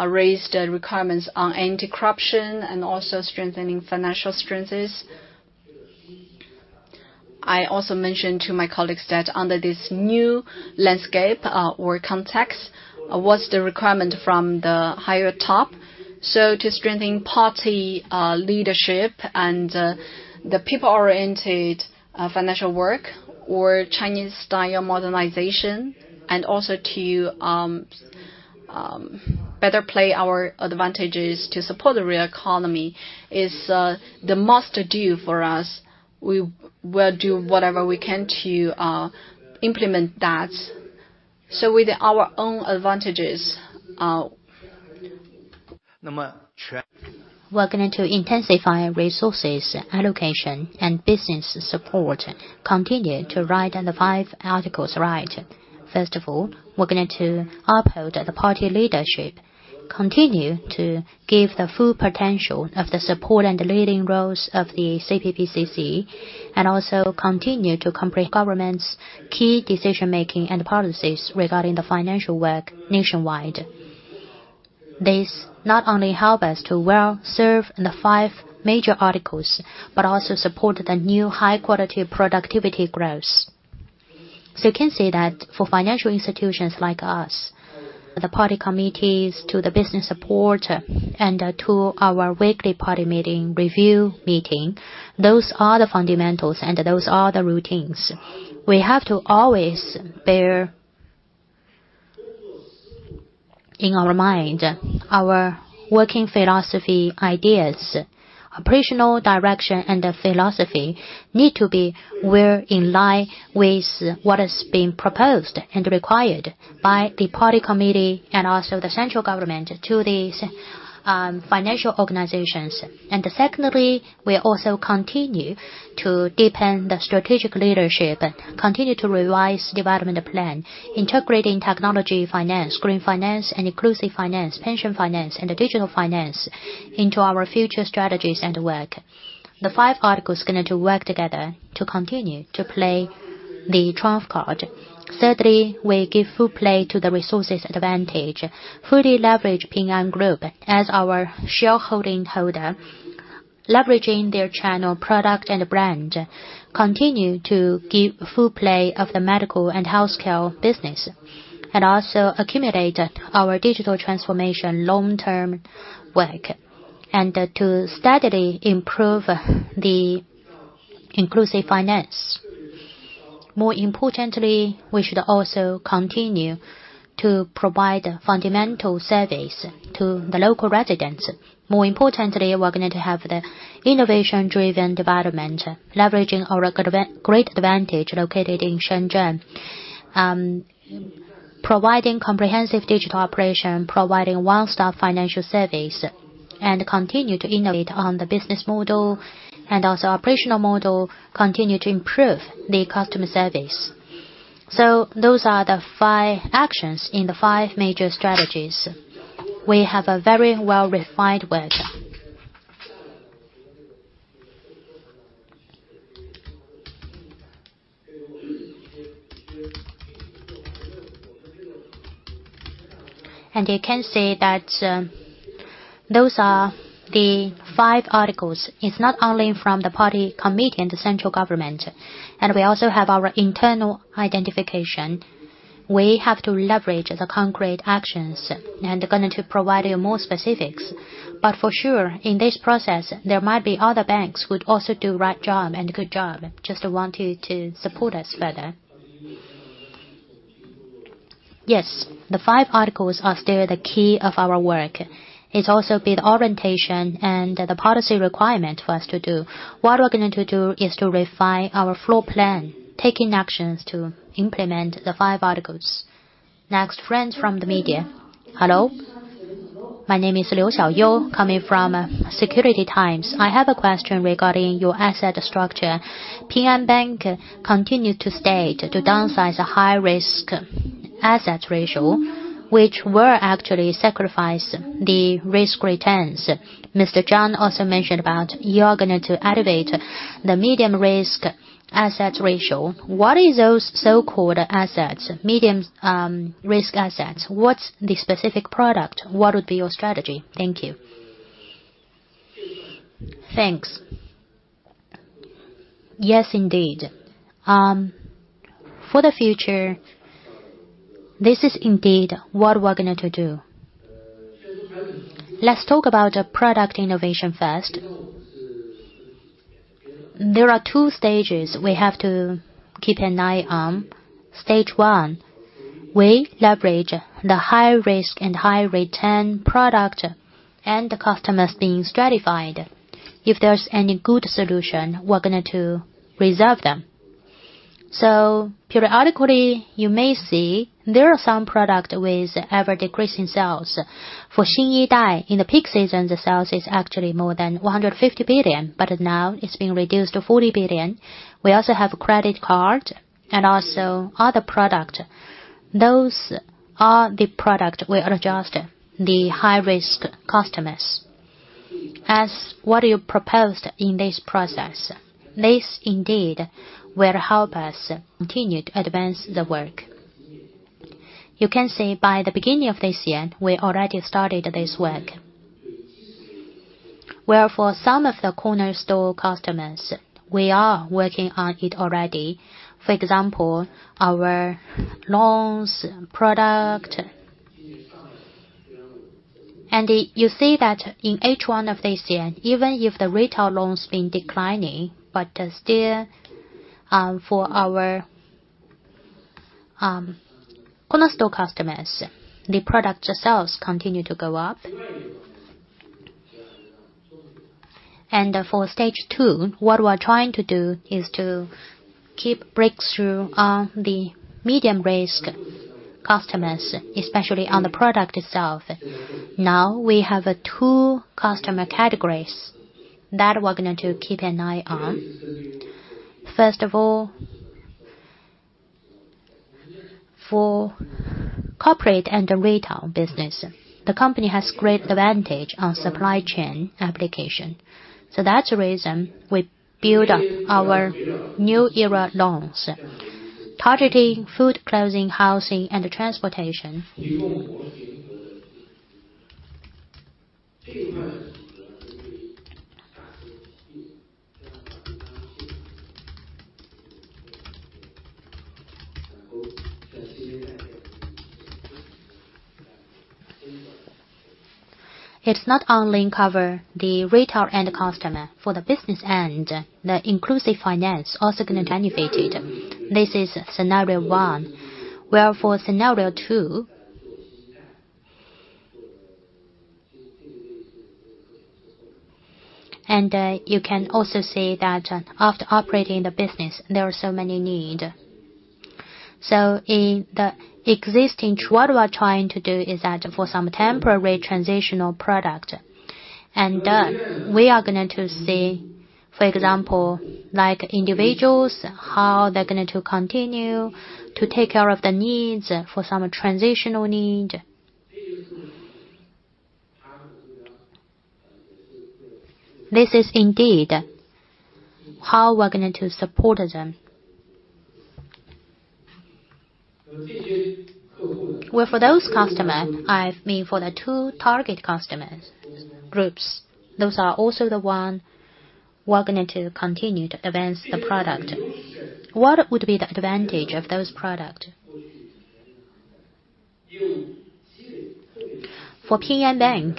raised requirements on anti-corruption and also strengthening financial strengths. I also mentioned to my colleagues that under this new landscape or context, what's the requirement from the higher top? So to strengthen party leadership and the people-oriented financial work or Chinese-style modernization, and also to better play our advantages to support the real economy, is the must do for us. We will do whatever we can to implement that. So with our own advantages, We're going to intensify resources, allocation, and business support, continue to right the five articles right. First of all, we're going to uphold the party leadership, continue to give the full potential of the support and the leading roles of the CPPCC, and also continue to complete government's key decision-making and policies regarding the financial work nationwide. This not only help us to well serve in the five major articles, but also support the new high quality productivity growth. So you can see that for financial institutions like us, the party committees to the business support and to our weekly party meeting, review meeting, those are the fundamentals and those are the routines. We have to always bear in our mind our working philosophy, ideas, operational direction, and the philosophy need to be well in line with what is being proposed and required by the party committee and also the central government to these, financial organizations. And secondly, we also continue to deepen the strategic leadership, continue to revise development plan, integrating technology, finance, green finance, and inclusive finance, pension finance, and digital finance into our future strategies and work. The five articles are going to work together to continue to play the trump card. Thirdly, we give full play to the resources advantage, fully leverage Ping An Group as our shareholding holder, leveraging their channel, product, and brand, continue to give full play of the medical and healthcare business, and also accumulate our digital transformation long-term work, and, to steadily improve the inclusive finance. More importantly, we should also continue to provide fundamental service to the local residents. More importantly, we're going to have the innovation-driven development, leveraging our great advantage located in Shenzhen, providing comprehensive digital operation, providing one-stop financial service, and continue to innovate on the business model and also operational model, continue to improve the customer service. So those are the five actions in the five major strategies. We have a very well-refined way. And you can see that, those are the five articles. It's not only from the party committee and the central government, and we also have our internal identification. We have to leverage the concrete actions, and they're going to provide you more specifics. But for sure, in this process, there might be other banks who would also do right job and a good job. Just want you to support us further. Yes, the five articles are still the key of our work. It's also been orientation and the policy requirement for us to do. What we're going to do is to refine our floor plan, taking actions to implement the five articles. Next, friends from the media. Hello, my name is Liu Xiaoyou, coming from Securities Times. I have a question regarding your asset structure. Ping An Bank continued to steadily downsize a high risk asset ratio, which will actually sacrifice the risk returns. Zhang Zhaohui also mentioned about you are going to elevate the medium risk asset ratio. What is those so-called assets, medium risk assets? What's the specific product? What would be your strategy? Thank you. Thanks. Yes, indeed. For the future, this is indeed what we're going to do. Let's talk about product innovation first. There are two stages we have to keep an eye on. Stage one, we leverage the high risk and high return product and the customers being stratified. If there's any good solution, we're going to reserve them. So periodically, you may see there are some product with ever-decreasing sales. For Xin Yi Dai, in the peak season, the sales is actually more than 150 billion, but now it's been reduced to 40 billion. We also have credit card and also other product. Those are the product we adjust the high-risk customers. As what you proposed in this process, this indeed will help us continue to advance the work. You can see by the beginning of this year, we already started this work, where for some of the corner store customers, we are working on it already. For example, our loans, product. And you see that in H1 of this year, even if the retail loan's been declining, but still, for our corner store customers, the product themselves continue to go up. For stage two, what we're trying to do is to keep breakthrough on the medium-risk customers, especially on the product itself. Now, we have two customer categories that we're going to keep an eye on. First of all, for corporate and the retail business, the company has great advantage on supply chain application. So that's the reason we build up our New Era Loans, targeting food, clothing, housing, and transportation.... It's not only cover the retail and the customer. For the business end, the inclusive finance also going to benefit it. This is scenario one, where for scenario two, and you can also see that, after operating the business, there are so many need. So in the existing, what we're trying to do is that for some temporary transitional product, and we are going to see, for example, like individuals, how they're going to continue to take care of the needs for some transitional need. This is indeed how we're going to support them. Well, for those customer, I mean, for the two target customers groups, those are also the one we're going to continue to advance the product. What would be the advantage of those product? For Ping An Bank,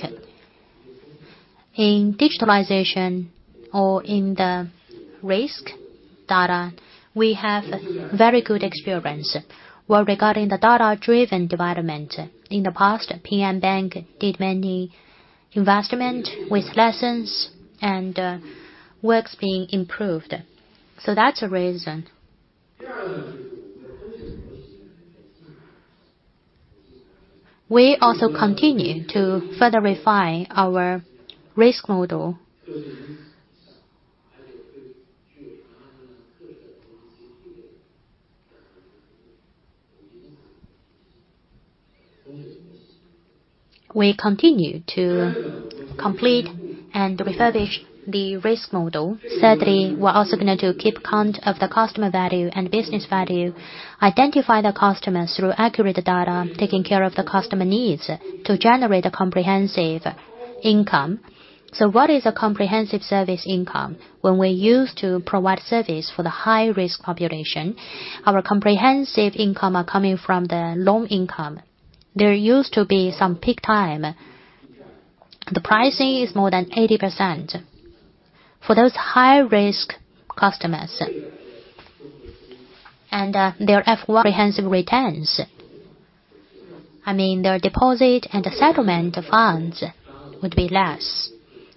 in digitalization or in the risk data, we have very good experience. Well, regarding the data-driven development, in the past, Ping An Bank did many investment with lessons and works being improved. So that's a reason. We also continue to further refine our risk model. We continue to complete and refurbish the risk model. Thirdly, we're also going to keep count of the customer value and business value, identify the customers through accurate data, taking care of the customer needs to generate a comprehensive income. So what is a comprehensive service income? When we used to provide service for the high-risk population, our comprehensive income are coming from the loan income. There used to be some peak time. The pricing is more than 80% for those high-risk customers. And, there are comprehensive returns. I mean, their deposit and the settlement funds would be less.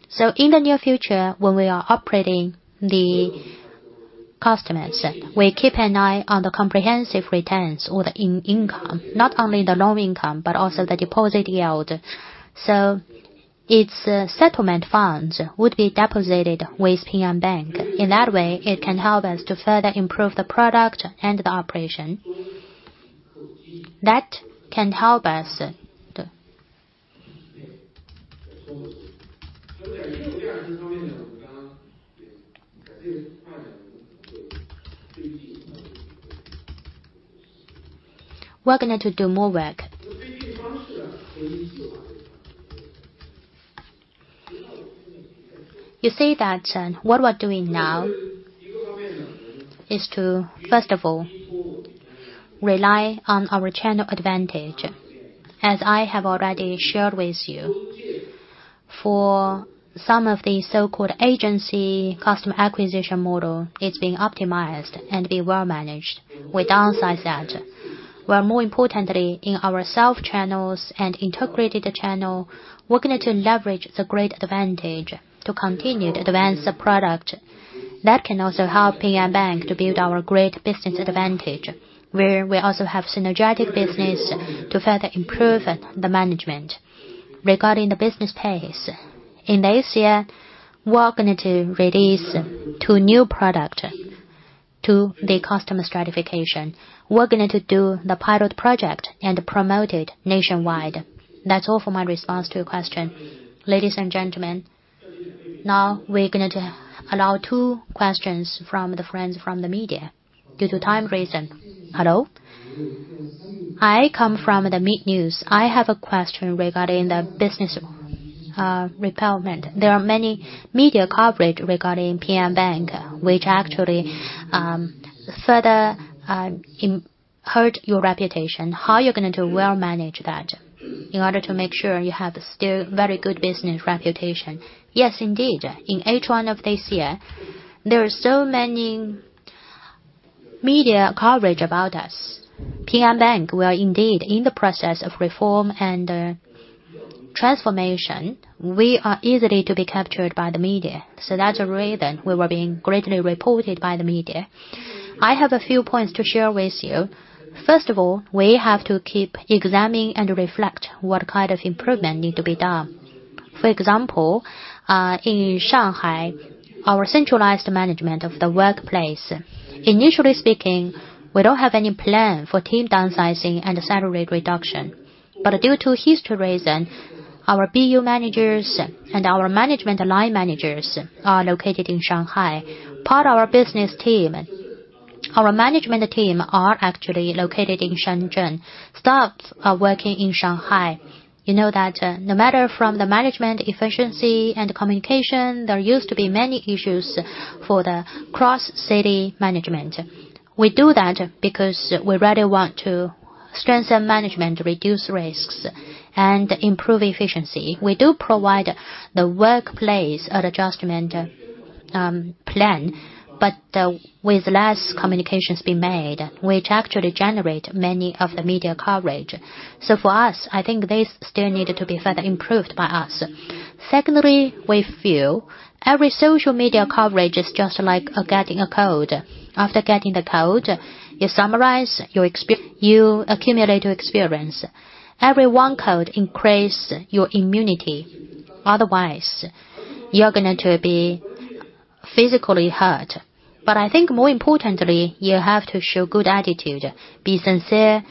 So in the near future, when we are operating the customers, we keep an eye on the comprehensive returns or the income, not only the loan income, but also the deposit yield. So its settlement funds would be deposited with Ping An Bank. In that way, it can help us to further improve the product and the operation. That can help us to... We're going to do more work. You see that, what we're doing now is to, first of all, rely on our channel advantage, as I have already shared with you. For some of the so-called agency customer acquisition model, it's being optimized and be well managed. We downsize that. Well, more importantly, in our self-channels and integrated channel, we're going to leverage the great advantage to continue to advance the product. That can also help Ping An Bank to build our great business advantage, where we also have synergetic business to further improve the management. Regarding the business pace, in this year, we're going to release two new product to the customer stratification. We're going to do the pilot project and promote it nationwide. That's all for my response to your question. Ladies and gentlemen, now we're going to allow two questions from the friends from the media due to time reason. Hello? I come from Jiemian News. I have a question regarding the business, repellent. There are many media coverage regarding Ping An Bank, which actually, further, hurt your reputation. How are you going to well manage that in order to make sure you have a still very good business reputation? Yes, indeed. In H1 of this year, there are so many media coverage about us. Ping An Bank, we are indeed in the process of reform and, transformation. We are easily to be captured by the media, so that's a reason we were being greatly reported by the media. I have a few points to share with you. First of all, we have to keep examining and reflect what kind of improvement need to be done. For example, in Shanghai, our centralized management of the workplace, initially speaking, we don't have any plan for team downsizing and salary reduction. But due to history reason, our BU managers and our management line managers are located in Shanghai. Our management team are actually located in Shenzhen. Staff are working in Shanghai. You know that, no matter from the management efficiency and communication, there used to be many issues for the cross-city management. We do that because we really want to strengthen management, reduce risks, and improve efficiency. We do provide the workplace adjustment, plan, but, with less communications being made, which actually generate many of the media coverage. So for us, I think this still needed to be further improved by us. Secondly, we feel every social media coverage is just like getting a cold. After getting the cold, you summarize, you accumulate your experience. Every one cold increase your immunity, otherwise, you're going to be physically hurt. But I think more importantly, you have to show good attitude, be sincere,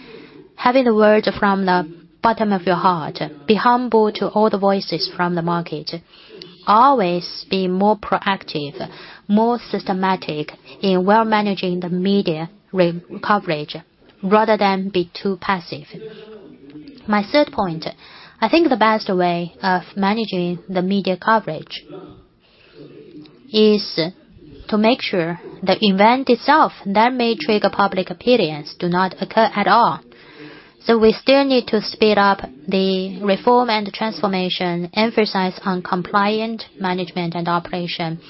having the words from the bottom of your heart, be humble to all the voices from the market. Always be more proactive, more systematic in well managing the media coverage, rather than be too passive. My third point: I think the best way of managing the media coverage is to make sure the event itself that may trigger public opinions do not occur at all. So we still need to speed up the reform and transformation, emphasize on compliant management and operation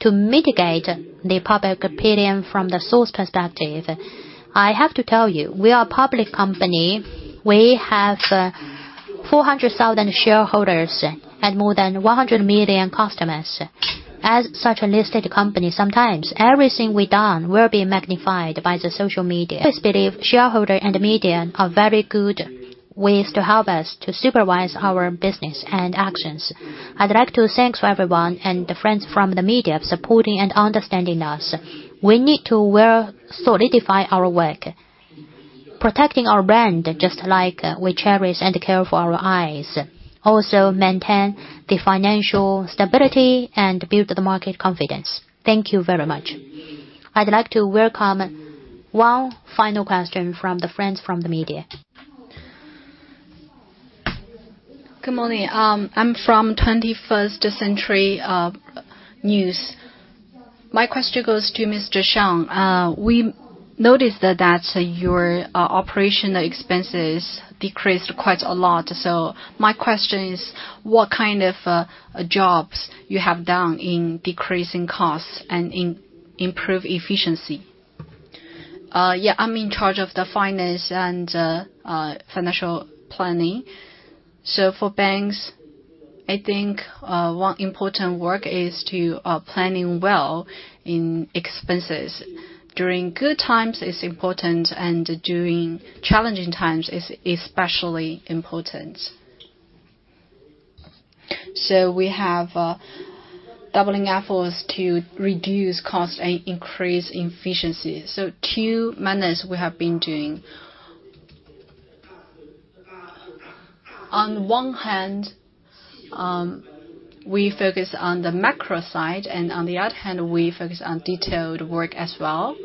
to mitigate the public opinion from the source perspective. I have to tell you, we are a public company. We have 400,000 shareholders and more than 100 million customers. As such a listed company, sometimes everything we done will be magnified by the social media. We believe shareholder and the media are very good ways to help us to supervise our business and actions. I'd like to thanks everyone and the friends from the media for supporting and understanding us. We need to well solidify our work, protecting our brand, just like we cherish and care for our eyes. Also, maintain the financial stability and build the market confidence. Thank you very much. I'd like to welcome one final question from the friends from the media. Good morning. I'm from 21st Century News. My question goes to Mr. Xiang. We noticed that your operational expenses decreased quite a lot. So my question is, what kind of jobs you have done in decreasing costs and in improve efficiency? Yeah, I'm in charge of the finance and financial planning. So for banks, I think one important work is to planning well in expenses. During good times, it's important, and during challenging times, it's especially important. So we have doubling efforts to reduce costs and increase efficiency. So two manners we have been doing. On one hand, we focus on the macro side, and on the other hand, we focus on detailed work as well.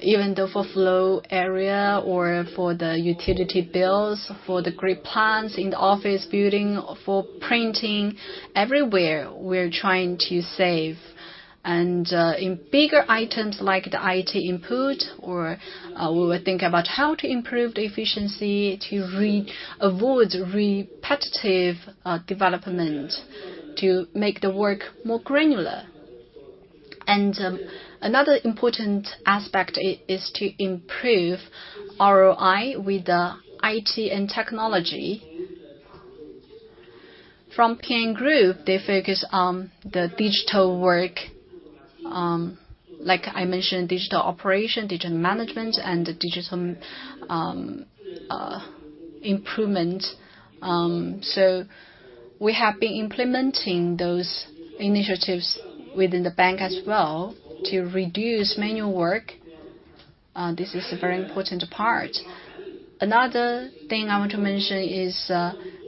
Even though for floor area or for the utility bills, for the green plants in the office building, for printing, everywhere, we're trying to save. In bigger items like the IT input or... We would think about how to improve the efficiency to avoid repetitive development, to make the work more granular. Another important aspect is to improve ROI with the IT and technology. From Ping An Group, they focus on the digital work, like I mentioned, digital operation, digital management, and the digital improvement. So we have been implementing those initiatives within the bank as well to reduce manual work. This is a very important part. Another thing I want to mention is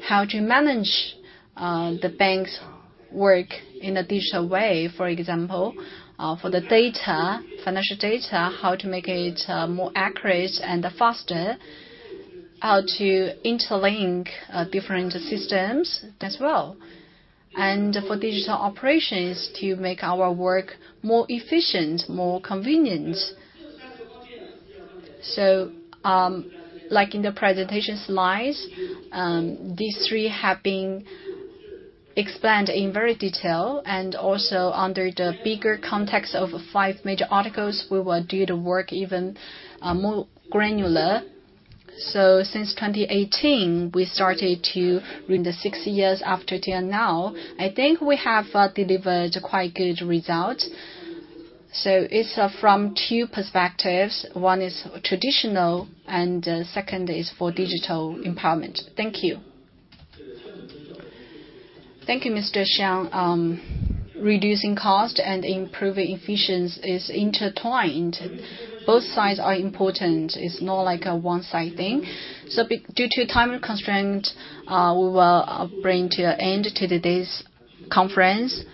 how to manage the bank's work in a digital way. For example, for the data, financial data, how to make it more accurate and faster, how to interlink different systems as well. And for digital operations, to make our work more efficient, more convenient. So, like in the presentation slides, these three have been explained in very detail, and also under the bigger context of Five Major Articles, we will do the work even more granular. So since 2018, In the six years after till now, I think we have delivered quite good results. So it's from two perspectives. One is traditional, and the second is for digital empowerment. Thank you. Thank you, Mr. Xiang. Reducing cost and improving efficiency is intertwined. Both sides are important. It's not like a one-side thing. Due to time constraint, we will bring to an end to today's conference.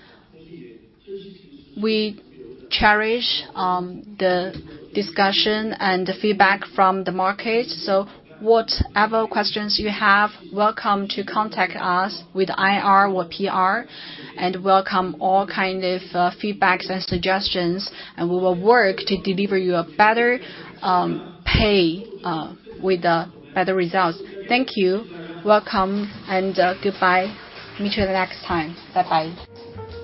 We cherish the discussion and the feedback from the market, so whatever questions you have, welcome to contact us with IR or PR, and welcome all kind of feedbacks and suggestions, and we will work to deliver you a better pay with the better results. Thank you. Welcome, and goodbye. Meet you the next time. Bye-bye.